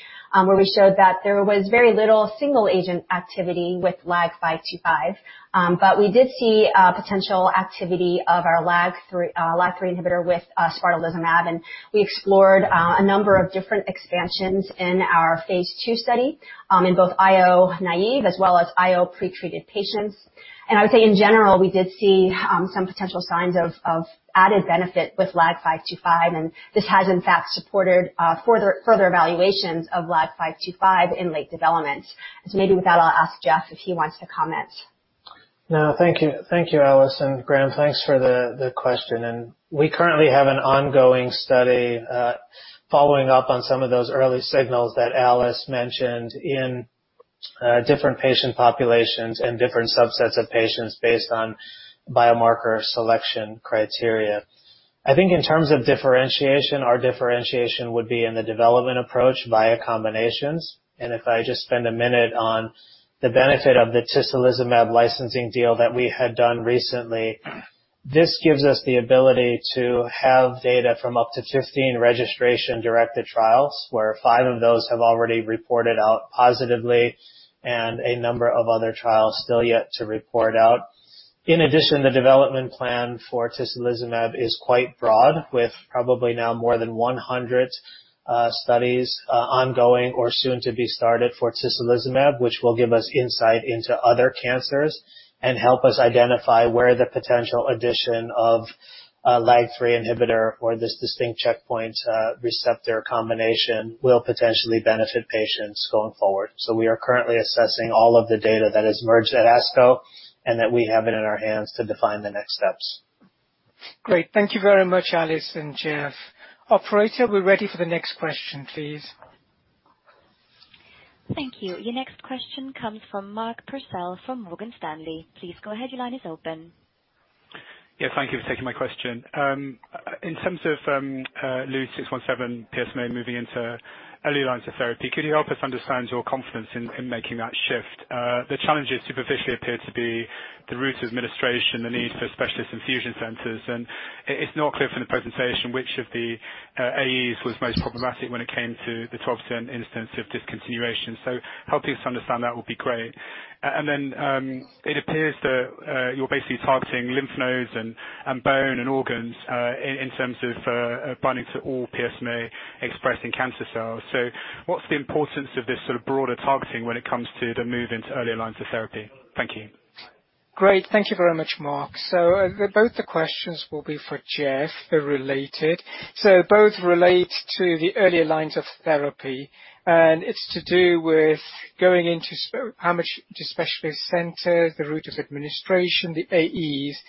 where we showed that there was very little single-agent activity with LAG525. We did see potential activity of our LAG-3 inhibitor with spartalizumab, and we explored a number of different expansions in our phase II study, in both IO naive as well as IO pretreated patients. I would say in general, we did see some potential signs of added benefit with LAG525, and this has in fact supported further evaluations of LAG525 in late development. Maybe with that I'll ask Jeff if he wants to comment. No, thank you, Alice. Graham, thanks for the question. We currently have an ongoing study following up on some of those early signals that Alice mentioned in different patient populations and different subsets of patients based on biomarker selection criteria. I think in terms of differentiation, our differentiation would be in the development approach via combinations. If I just spend a minute on the benefit of the tislelizumab licensing deal that we had done recently, this gives us the ability to have data from up to 15 registration-directed trials, where five of those have already reported out positively and a number of other trials still yet to report out. In addition, the development plan for tislelizumab is quite broad, with probably now more than 100 studies ongoing or soon to be started for tislelizumab, which will give us insight into other cancers and help us identify where the potential addition of a LAG-3 inhibitor or this distinct checkpoint receptor combination will potentially benefit patients going forward. We are currently assessing all of the data that has merged at ASCO, and that we have it in our hands to define the next steps. Great. Thank you very much, Alice and Jeff. Operator, we're ready for the next question, please. Thank you. Your next question comes from Mark Purcell from Morgan Stanley. Yeah, thank you for taking my question. In terms of Lu-PSMA-617 moving into early lines of therapy, can you help us understand your confidence in making that shift? The challenges superficially appear to be the route of administration and the need for specialist infusion centers, it's not clear from the presentation which of the AEs was most problematic when it came to the 12% instance of discontinuation. Helping us understand that would be great. It appears that you're basically targeting lymph nodes and bone and organs, in terms of binding to all PSMA-expressing cancer cells. What's the importance of this sort of broader targeting when it comes to the move into early lines of therapy? Thank you. Great. Thank you very much, Mark. Both the questions will be for Jeff. They're related. Both relate to the early lines of therapy, and it's to do with going into how much to specialist centers, the route of administration, the AEs,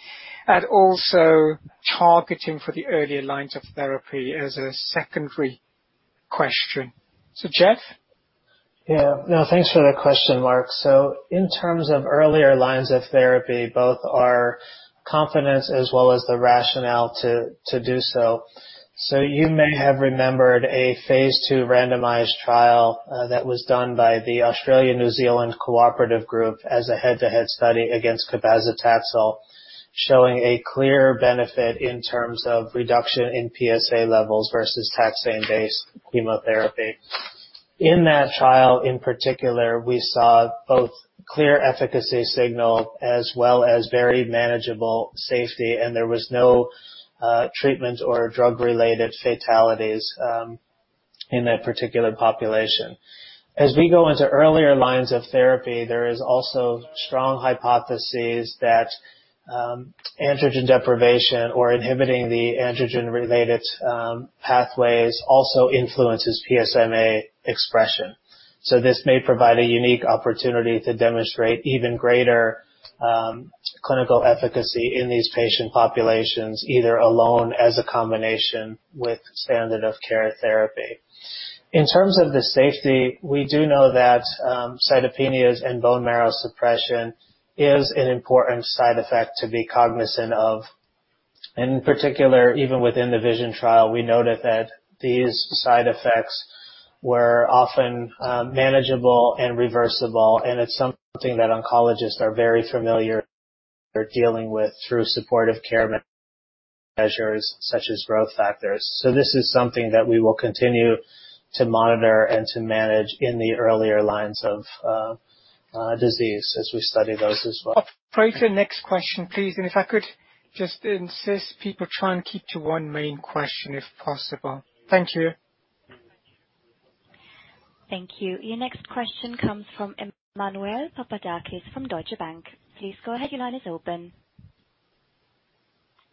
and also targeting for the early lines of therapy as a secondary question. Jeff? Thanks for the question, Mark. In terms of earlier lines of therapy, both our confidence as well as the rationale to do so. You may have remembered a phase II randomized trial that was done by the Australian-New Zealand Cooperative Group as a head-to-head study against cabazitaxel, showing a clear benefit in terms of reduction in PSA levels versus taxane-based chemotherapy. In that trial, in particular, we saw both clear efficacy signal as well as very manageable safety, and there was no treatment or drug-related fatalities in that particular population. As we go into earlier lines of therapy, there is also strong hypotheses that androgen deprivation or inhibiting the androgen-related pathways also influences PSMA expression. This may provide a unique opportunity to demonstrate even greater clinical efficacy in these patient populations, either alone as a combination with standard of care therapy. In terms of the safety, we do know that cytopenias and bone marrow suppression is an important side effect to be cognizant of. In particular, even within the VISION trial, we noted that these side effects were often manageable and reversible, and it's something that oncologists are very familiar dealing with through supportive care measures such as growth factors. This is something that we will continue to monitor and to manage in the earlier lines of disease as we study those as well. Operator, next question, please. If I could just insist people try and keep to one main question if possible. Thank you. Thank you. Your next question comes from Emmanuel Papadakis from Deutsche Bank. Please go ahead. Your line is open.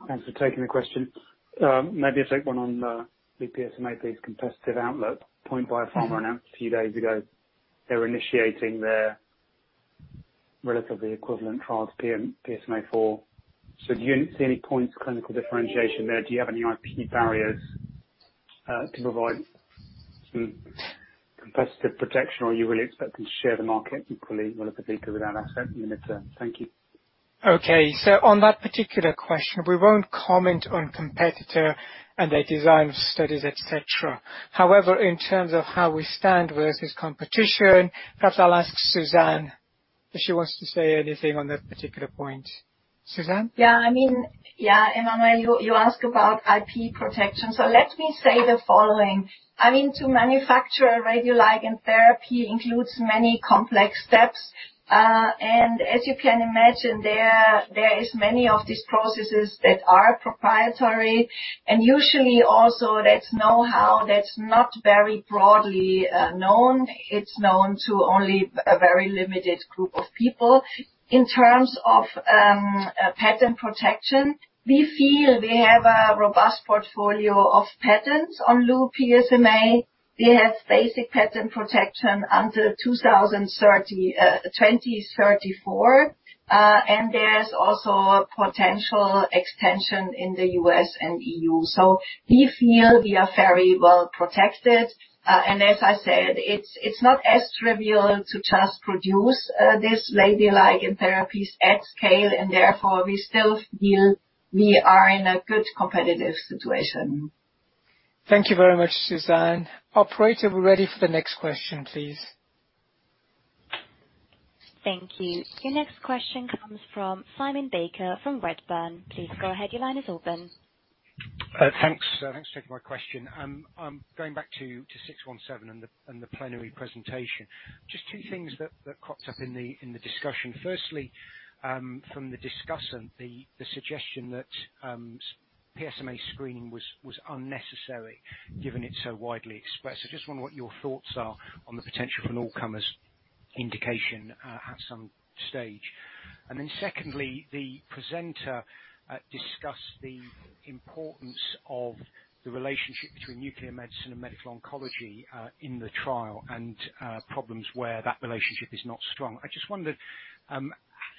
Thanks for taking the question. Maybe take one on the Lu-PSMA competitive outlet. POINT Biopharma announced a few days ago they're initiating their relatively equivalent trials, PSMAfore. Do you see any points of clinical differentiation there? Do you have any IP barriers to provide some competitive protection, or you would expect to share the market equally with a bigger Thank you. On that particular question, we won't comment on competitor and their design of studies, et cetera. In terms of how we stand versus competition, perhaps I'll ask Susanne if she wants to say anything on that particular point. Susanne? Yeah, Emmanuel, you ask about IP protection. Let me say the following. To manufacture a radioligand therapy includes many complex steps. As you can imagine, there is many of these processes that are proprietary and usually also that's know-how that's not very broadly known. It's known to only a very limited group of people. In terms of patent protection, we feel we have a robust portfolio of patents on Lu-PSMA. We have basic patent protection under 2034, and there is also a potential extension in the U.S. and EU. We feel we are very well protected. As I said, it's not as trivial to just produce these radioligand therapies at scale, and therefore we still feel we are in a good competitive situation. Thank you very much, Susanne. Operator, we are ready for the next question, please. Thank you. Your next question comes from Simon Baker from Redburn. Please go ahead. Your line is open. Thanks. Thanks for my question. I am going back to Lu-PSMA-617 and the plenary presentation. Just two things that cropped up in the discussion. Firstly, from the discussant, the suggestion that PSMA screening was unnecessary given it's so widely expressed. Just wonder what your thoughts are on the potential for an all-comers indication at some stage. Then secondly, the presenter discussed the importance of the relationship between nuclear medicine and medical oncology in the trial and problems where that relationship is not strong. I just wondered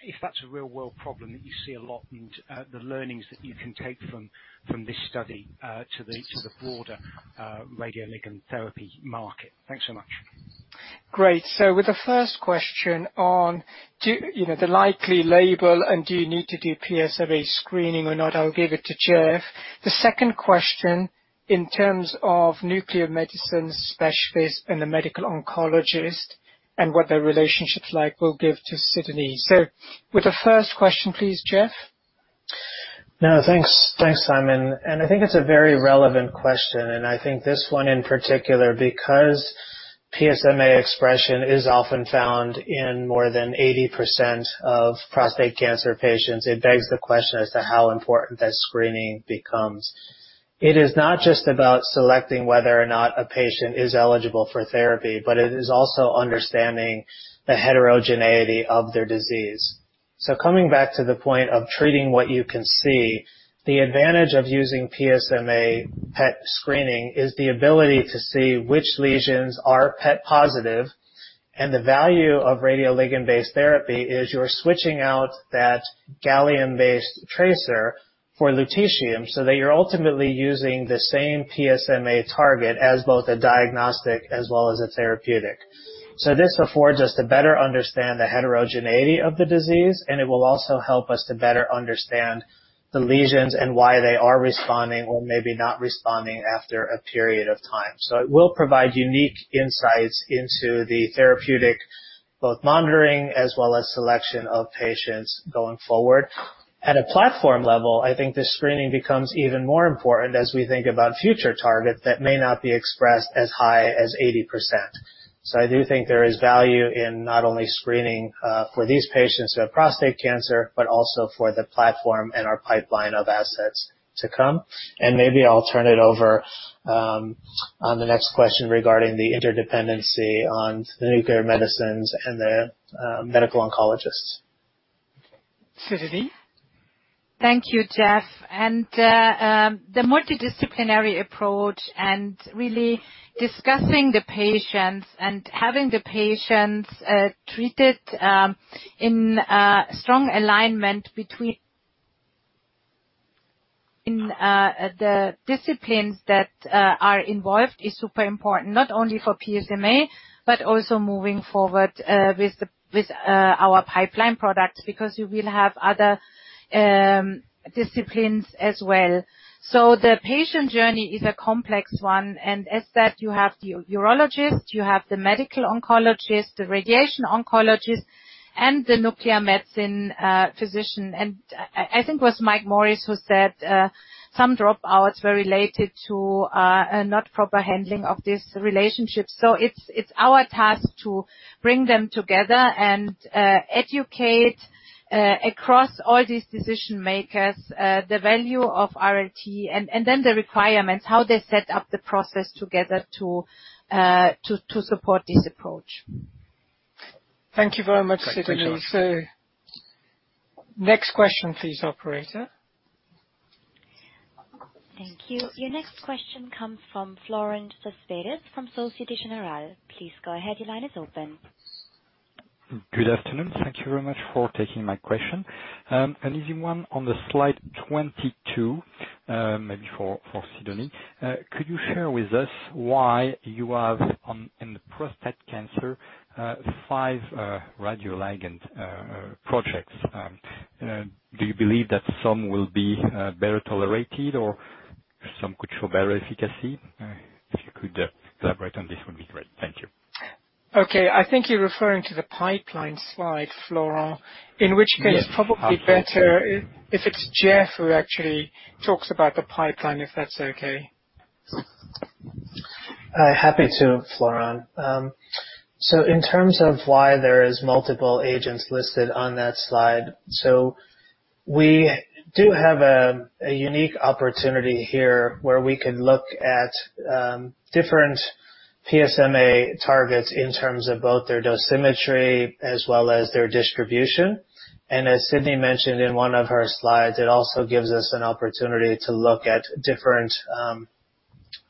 if that's a real-world problem that you see a lot and the learnings that you can take from this study to the broader radioligand therapy market. Thanks so much. Great. With the first question on the likely label and do you need to do PSMA screening or not, I'll give it to Jeff. The second question in terms of nuclear medicine specialists and the medical oncologist and what their relationship's like, we'll give to Sidonie. With the first question, please, Jeff. No, thanks, Simon. I think it's a very relevant question, and I think this one in particular because PSMA expression is often found in more than 80% of prostate cancer patients, it begs the question as to how important that screening becomes. It is not just about selecting whether or not a patient is eligible for therapy, but it is also understanding the heterogeneity of their disease. Coming back to the point of treating what you can see, the advantage of using PSMA PET screening is the ability to see which lesions are PET positive, and the value of radioligand-based therapy is you're switching out that gallium-based tracer for lutetium, so that you're ultimately using the same PSMA target as both a diagnostic as well as a therapeutic. This affords us to better understand the heterogeneity of the disease, and it will also help us to better understand the lesions and why they are responding or maybe not responding after a period of time. It will provide unique insights into the therapeutic, both monitoring as well as selection of patients going forward. At a platform level, I think the screening becomes even more important as we think about future targets that may not be expressed as high as 80%. I do think there is value in not only screening for these patients who have prostate cancer, but also for the platform and our pipeline of assets to come. Maybe I'll turn it over on the next question regarding the interdependency on the nuclear medicines and the medical oncologists. Sidonie? Thank you, Jeff. The multidisciplinary approach and really discussing the patients and having the patients treated in strong alignment between the disciplines that are involved is super important, not only for PSMA but also moving forward with our pipeline products because we will have other disciplines as well. The patient journey is a complex one, and as said, you have the urologist, you have the medical oncologist, the radiation oncologist, and the nuclear medicine physician. I think it was Mike Morris who said some dropouts were related to not proper handling of this relationship. It's our task to bring them together and educate across all these decision-makers the value of RLT and then the requirements, how they set up the process together to support this approach. Thank you very much, Sidonie. Thank you. Next question, please, operator. Thank you. Your next question comes from Florent Cespedes from Société Générale. Please go ahead. Your line is open. Good afternoon. Thank you very much for taking my question. A leading one on slide 22, maybe for Sidonie. Could you share with us why you have, in prostate cancer, five radioligand projects? Do you believe that some will be better tolerated or some could show better efficacy? If you could elaborate on this, it would be great. Thank you. Okay. I think you're referring to the pipeline slide, Florent, in which case it's probably better if it's Jeff who actually talks about the pipeline, if that's okay. Happy to, Florent. In terms of why there is multiple agents listed on that slide, we do have a unique opportunity here where we can look at different PSMA targets in terms of both their dosimetry as well as their distribution. As Sidonie mentioned in one of her slides, it also gives us an opportunity to look at different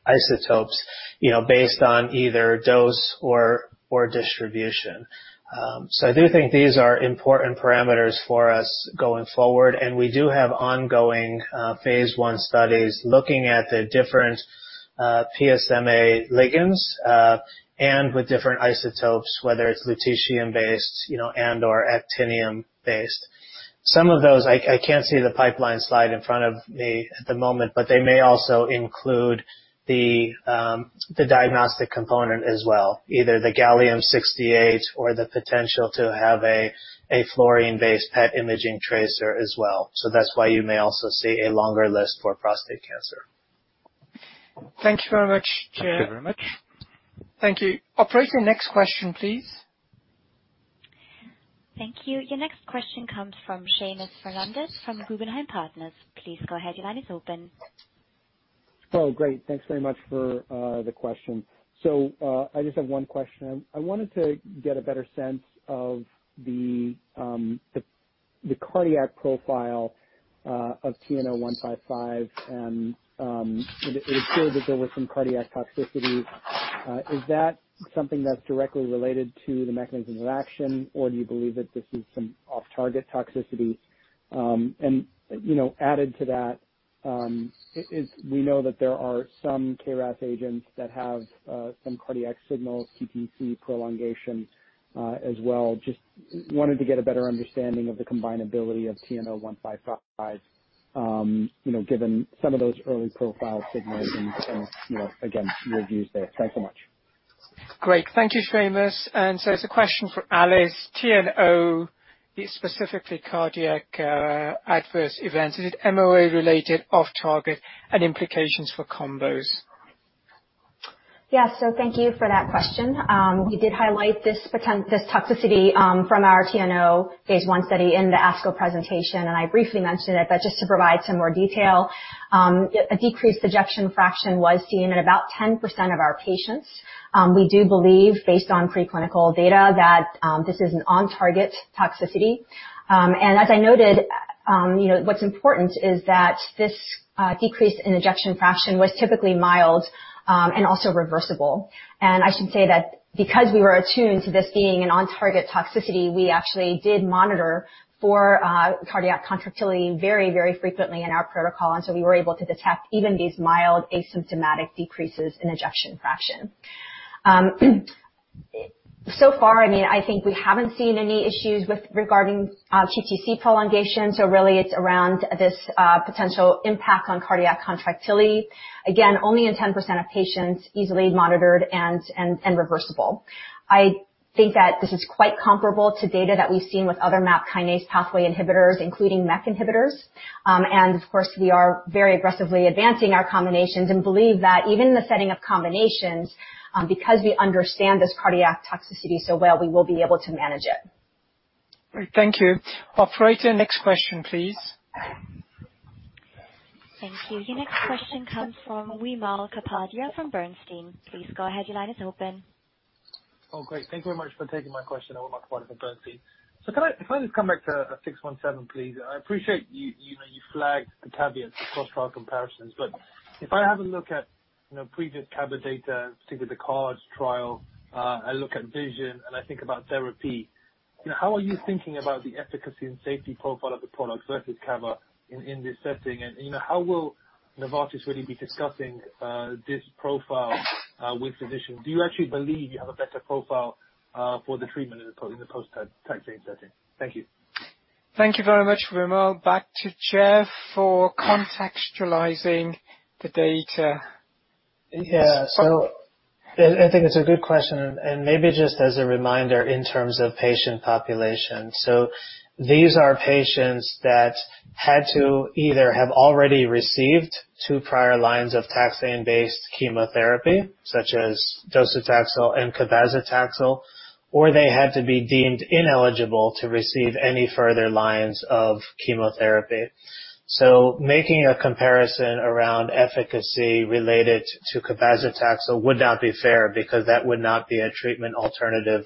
isotopes based on either dose or distribution. I do think these are important parameters for us going forward. We do have ongoing phase I studies looking at the different PSMA ligands, with different isotopes, whether it's lutetium-based and/or actinium-based. Some of those, I can't see the pipeline slide in front of me at the moment, they may also include the diagnostic component as well, either the gallium-68 or the potential to have a fluorine-based PET imaging tracer as well. That's why you may also see a longer list for prostate cancer. Thank you very much, Jeff. Thank you very much. Thank you. Operator, next question, please. Thank you. Your next question comes from Seamus Fernandez from Guggenheim Partners. Please go ahead, your line is open. Oh, great. Thanks very much for the question. I just have one question. I wanted to get a better sense of the cardiac profile of TNO155, and it appeared as though there was some cardiac toxicity. Is that something that's directly related to the mechanism of action, or do you believe that this is some off-target toxicity? Added to that, we know that there are some KRAS agents that have some cardiac signals, QTc prolongation as well. Just wanted to get a better understanding of the combinability of TNO155, given some of those early profile signals and, again, your views there. Thanks so much. Great. Thank you, Seamus. So it's a question for Alice. TNO, specifically cardiac adverse events, is it MOA-related, off target, and implications for combos? Thank you for that question. We did highlight this toxicity from our TNO155 phase I study in the ASCO presentation, I briefly mentioned it, but just to provide some more detail, a decreased ejection fraction was seen in about 10% of our patients. We do believe based on preclinical data that this is an on-target toxicity. As I noted, what's important is that this decrease in ejection fraction was typically mild and also reversible. I should say that because we were attuned to this being an on-target toxicity, we actually did monitor for cardiac contractility very frequently in our protocol, we were able to detect even these mild, asymptomatic decreases in ejection fraction. So far, I think we haven't seen any issues regarding QTc prolongation, really it's around this potential impact on cardiac contractility. Only in 10% of patients, easily monitored and reversible. I think that this is quite comparable to data that we've seen with other MAP kinase pathway inhibitors, including MEK inhibitors. Of course, we are very aggressively advancing our combinations and believe that even in the setting of combinations, because we understand this cardiac toxicity so well, we will be able to manage it. Great. Thank you. Operator, next question, please. Thank you. The next question comes from Wimal Kapadia from Bernstein. Please go ahead, your line is open. Great. Thank you very much for taking my question. Wimal Kapadia from Bernstein. Can I just come back to Lu-PSMA-617, please? I appreciate you flagged the caveat across trial comparisons, but if I have a look at previous CABA data, particularly the CARD trial, I look at VISION and I think about TheraP, how are you thinking about the efficacy and safety profile of the product versus caba in this setting? How will Novartis really be discussing this profile with physicians? Do you actually believe you have a better profile for the treatment in the post taxane setting? Thank you. Thank you very much, Wimal. Back to Jeff for contextualizing the data. I think it's a good question, and maybe just as a reminder in terms of patient population. These are patients that had to either have already received two prior lines of taxane-based chemotherapy, such as docetaxel and cabazitaxel, or they had to be deemed ineligible to receive any further lines of chemotherapy. Making a comparison around efficacy related to cabazitaxel would not be fair because that would not be a treatment alternative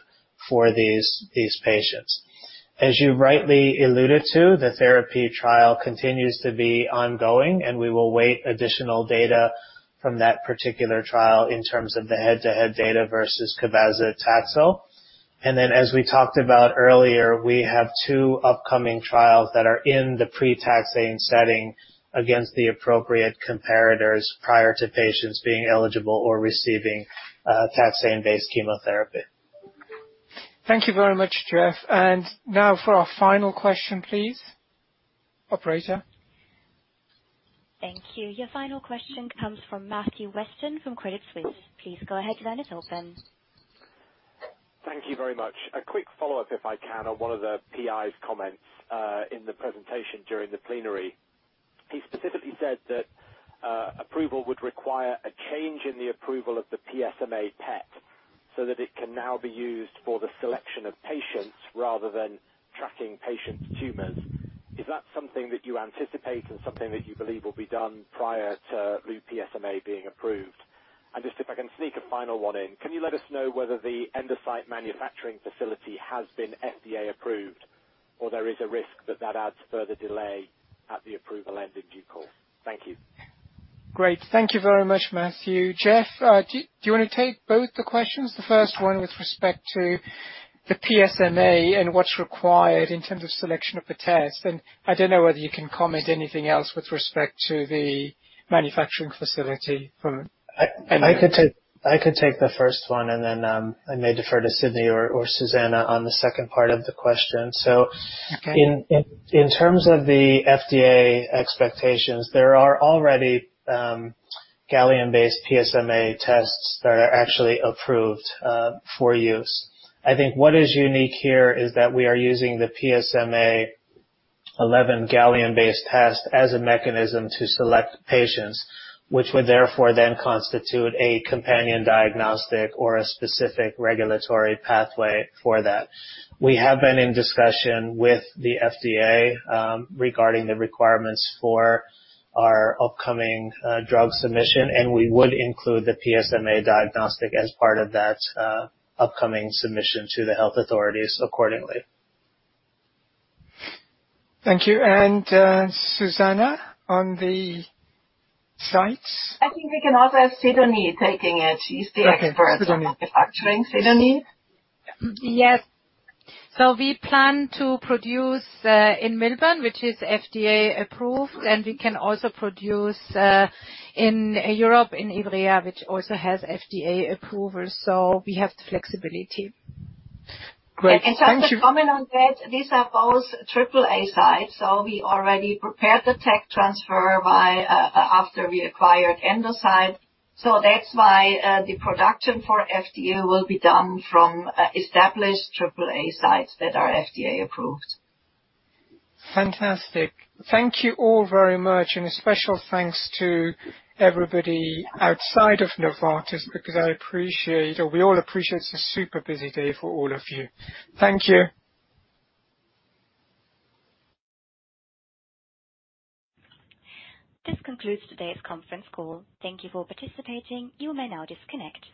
for these patients. As you rightly alluded to, the TheraP trial continues to be ongoing, and we will await additional data from that particular trial in terms of the head-to-head data versus cabazitaxel. Then, as we talked about earlier, we have two upcoming trials that are in the pre-taxane setting against the appropriate comparators prior to patients being eligible or receiving taxane-based chemotherapy. Thank you very much, Jeff. Now for our final question, please. Operator. Thank you. Your final question comes from Matthew Weston from Credit Suisse. Please go ahead, your line is open. Thank you very much. A quick follow-up, if I can, on one of the PI's comments in the presentation during the plenary. He specifically said that approval would require a change in the approval of the PSMA PET so that it can now be used for the selection of patients rather than tracking patients' tumors. Is that something that you anticipate and something that you believe will be done prior to Lu-PSMA being approved? Just if I can sneak a final one in, can you let us know whether the Endocyte manufacturing facility has been FDA approved or there is a risk that that adds further delay at the approval end in due course? Thank you. Great. Thank you very much, Matthew. Jeff, do you want to take both the questions, the first one with respect to the PSMA and what's required in terms of selection of the test? I don't know whether you can comment anything else with respect to the manufacturing facility from anybody. I can take the first one, and then I may defer to Sidonie or Susanne on the second part of the question. Okay. In terms of the FDA expectations, there are already gallium-based PSMA tests that are actually approved for use. I think what is unique here is that we are using the PSMA-11 gallium-based test as a mechanism to select patients, which would therefore then constitute a companion diagnostic or a specific regulatory pathway for that. We have been in discussion with the FDA regarding the requirements for our upcoming drug submission, and we would include the PSMA diagnostic as part of that upcoming submission to the health authorities accordingly. Thank you. Susanne, on the sites? I think we can ask Sidonie, taking it. Okay, Sidonie. Manufacturing, Sidonie? Yes. We plan to produce in Millburn, which is FDA-approved, and we can also produce in Europe, in Ivrea, which also has FDA approval. We have flexibility. Great. Thank you. Just to comment on that, these are both AAA sites, so we already prepared the tech transfer after we acquired Endocyte. That's why the production for FDA will be done from established AAA sites that are FDA approved. Fantastic. Thank you all very much. A special thanks to everybody outside of Novartis because I appreciate, or we all appreciate it's a super busy day for all of you. Thank you. This concludes today's conference call. Thank you for participating. You may now disconnect.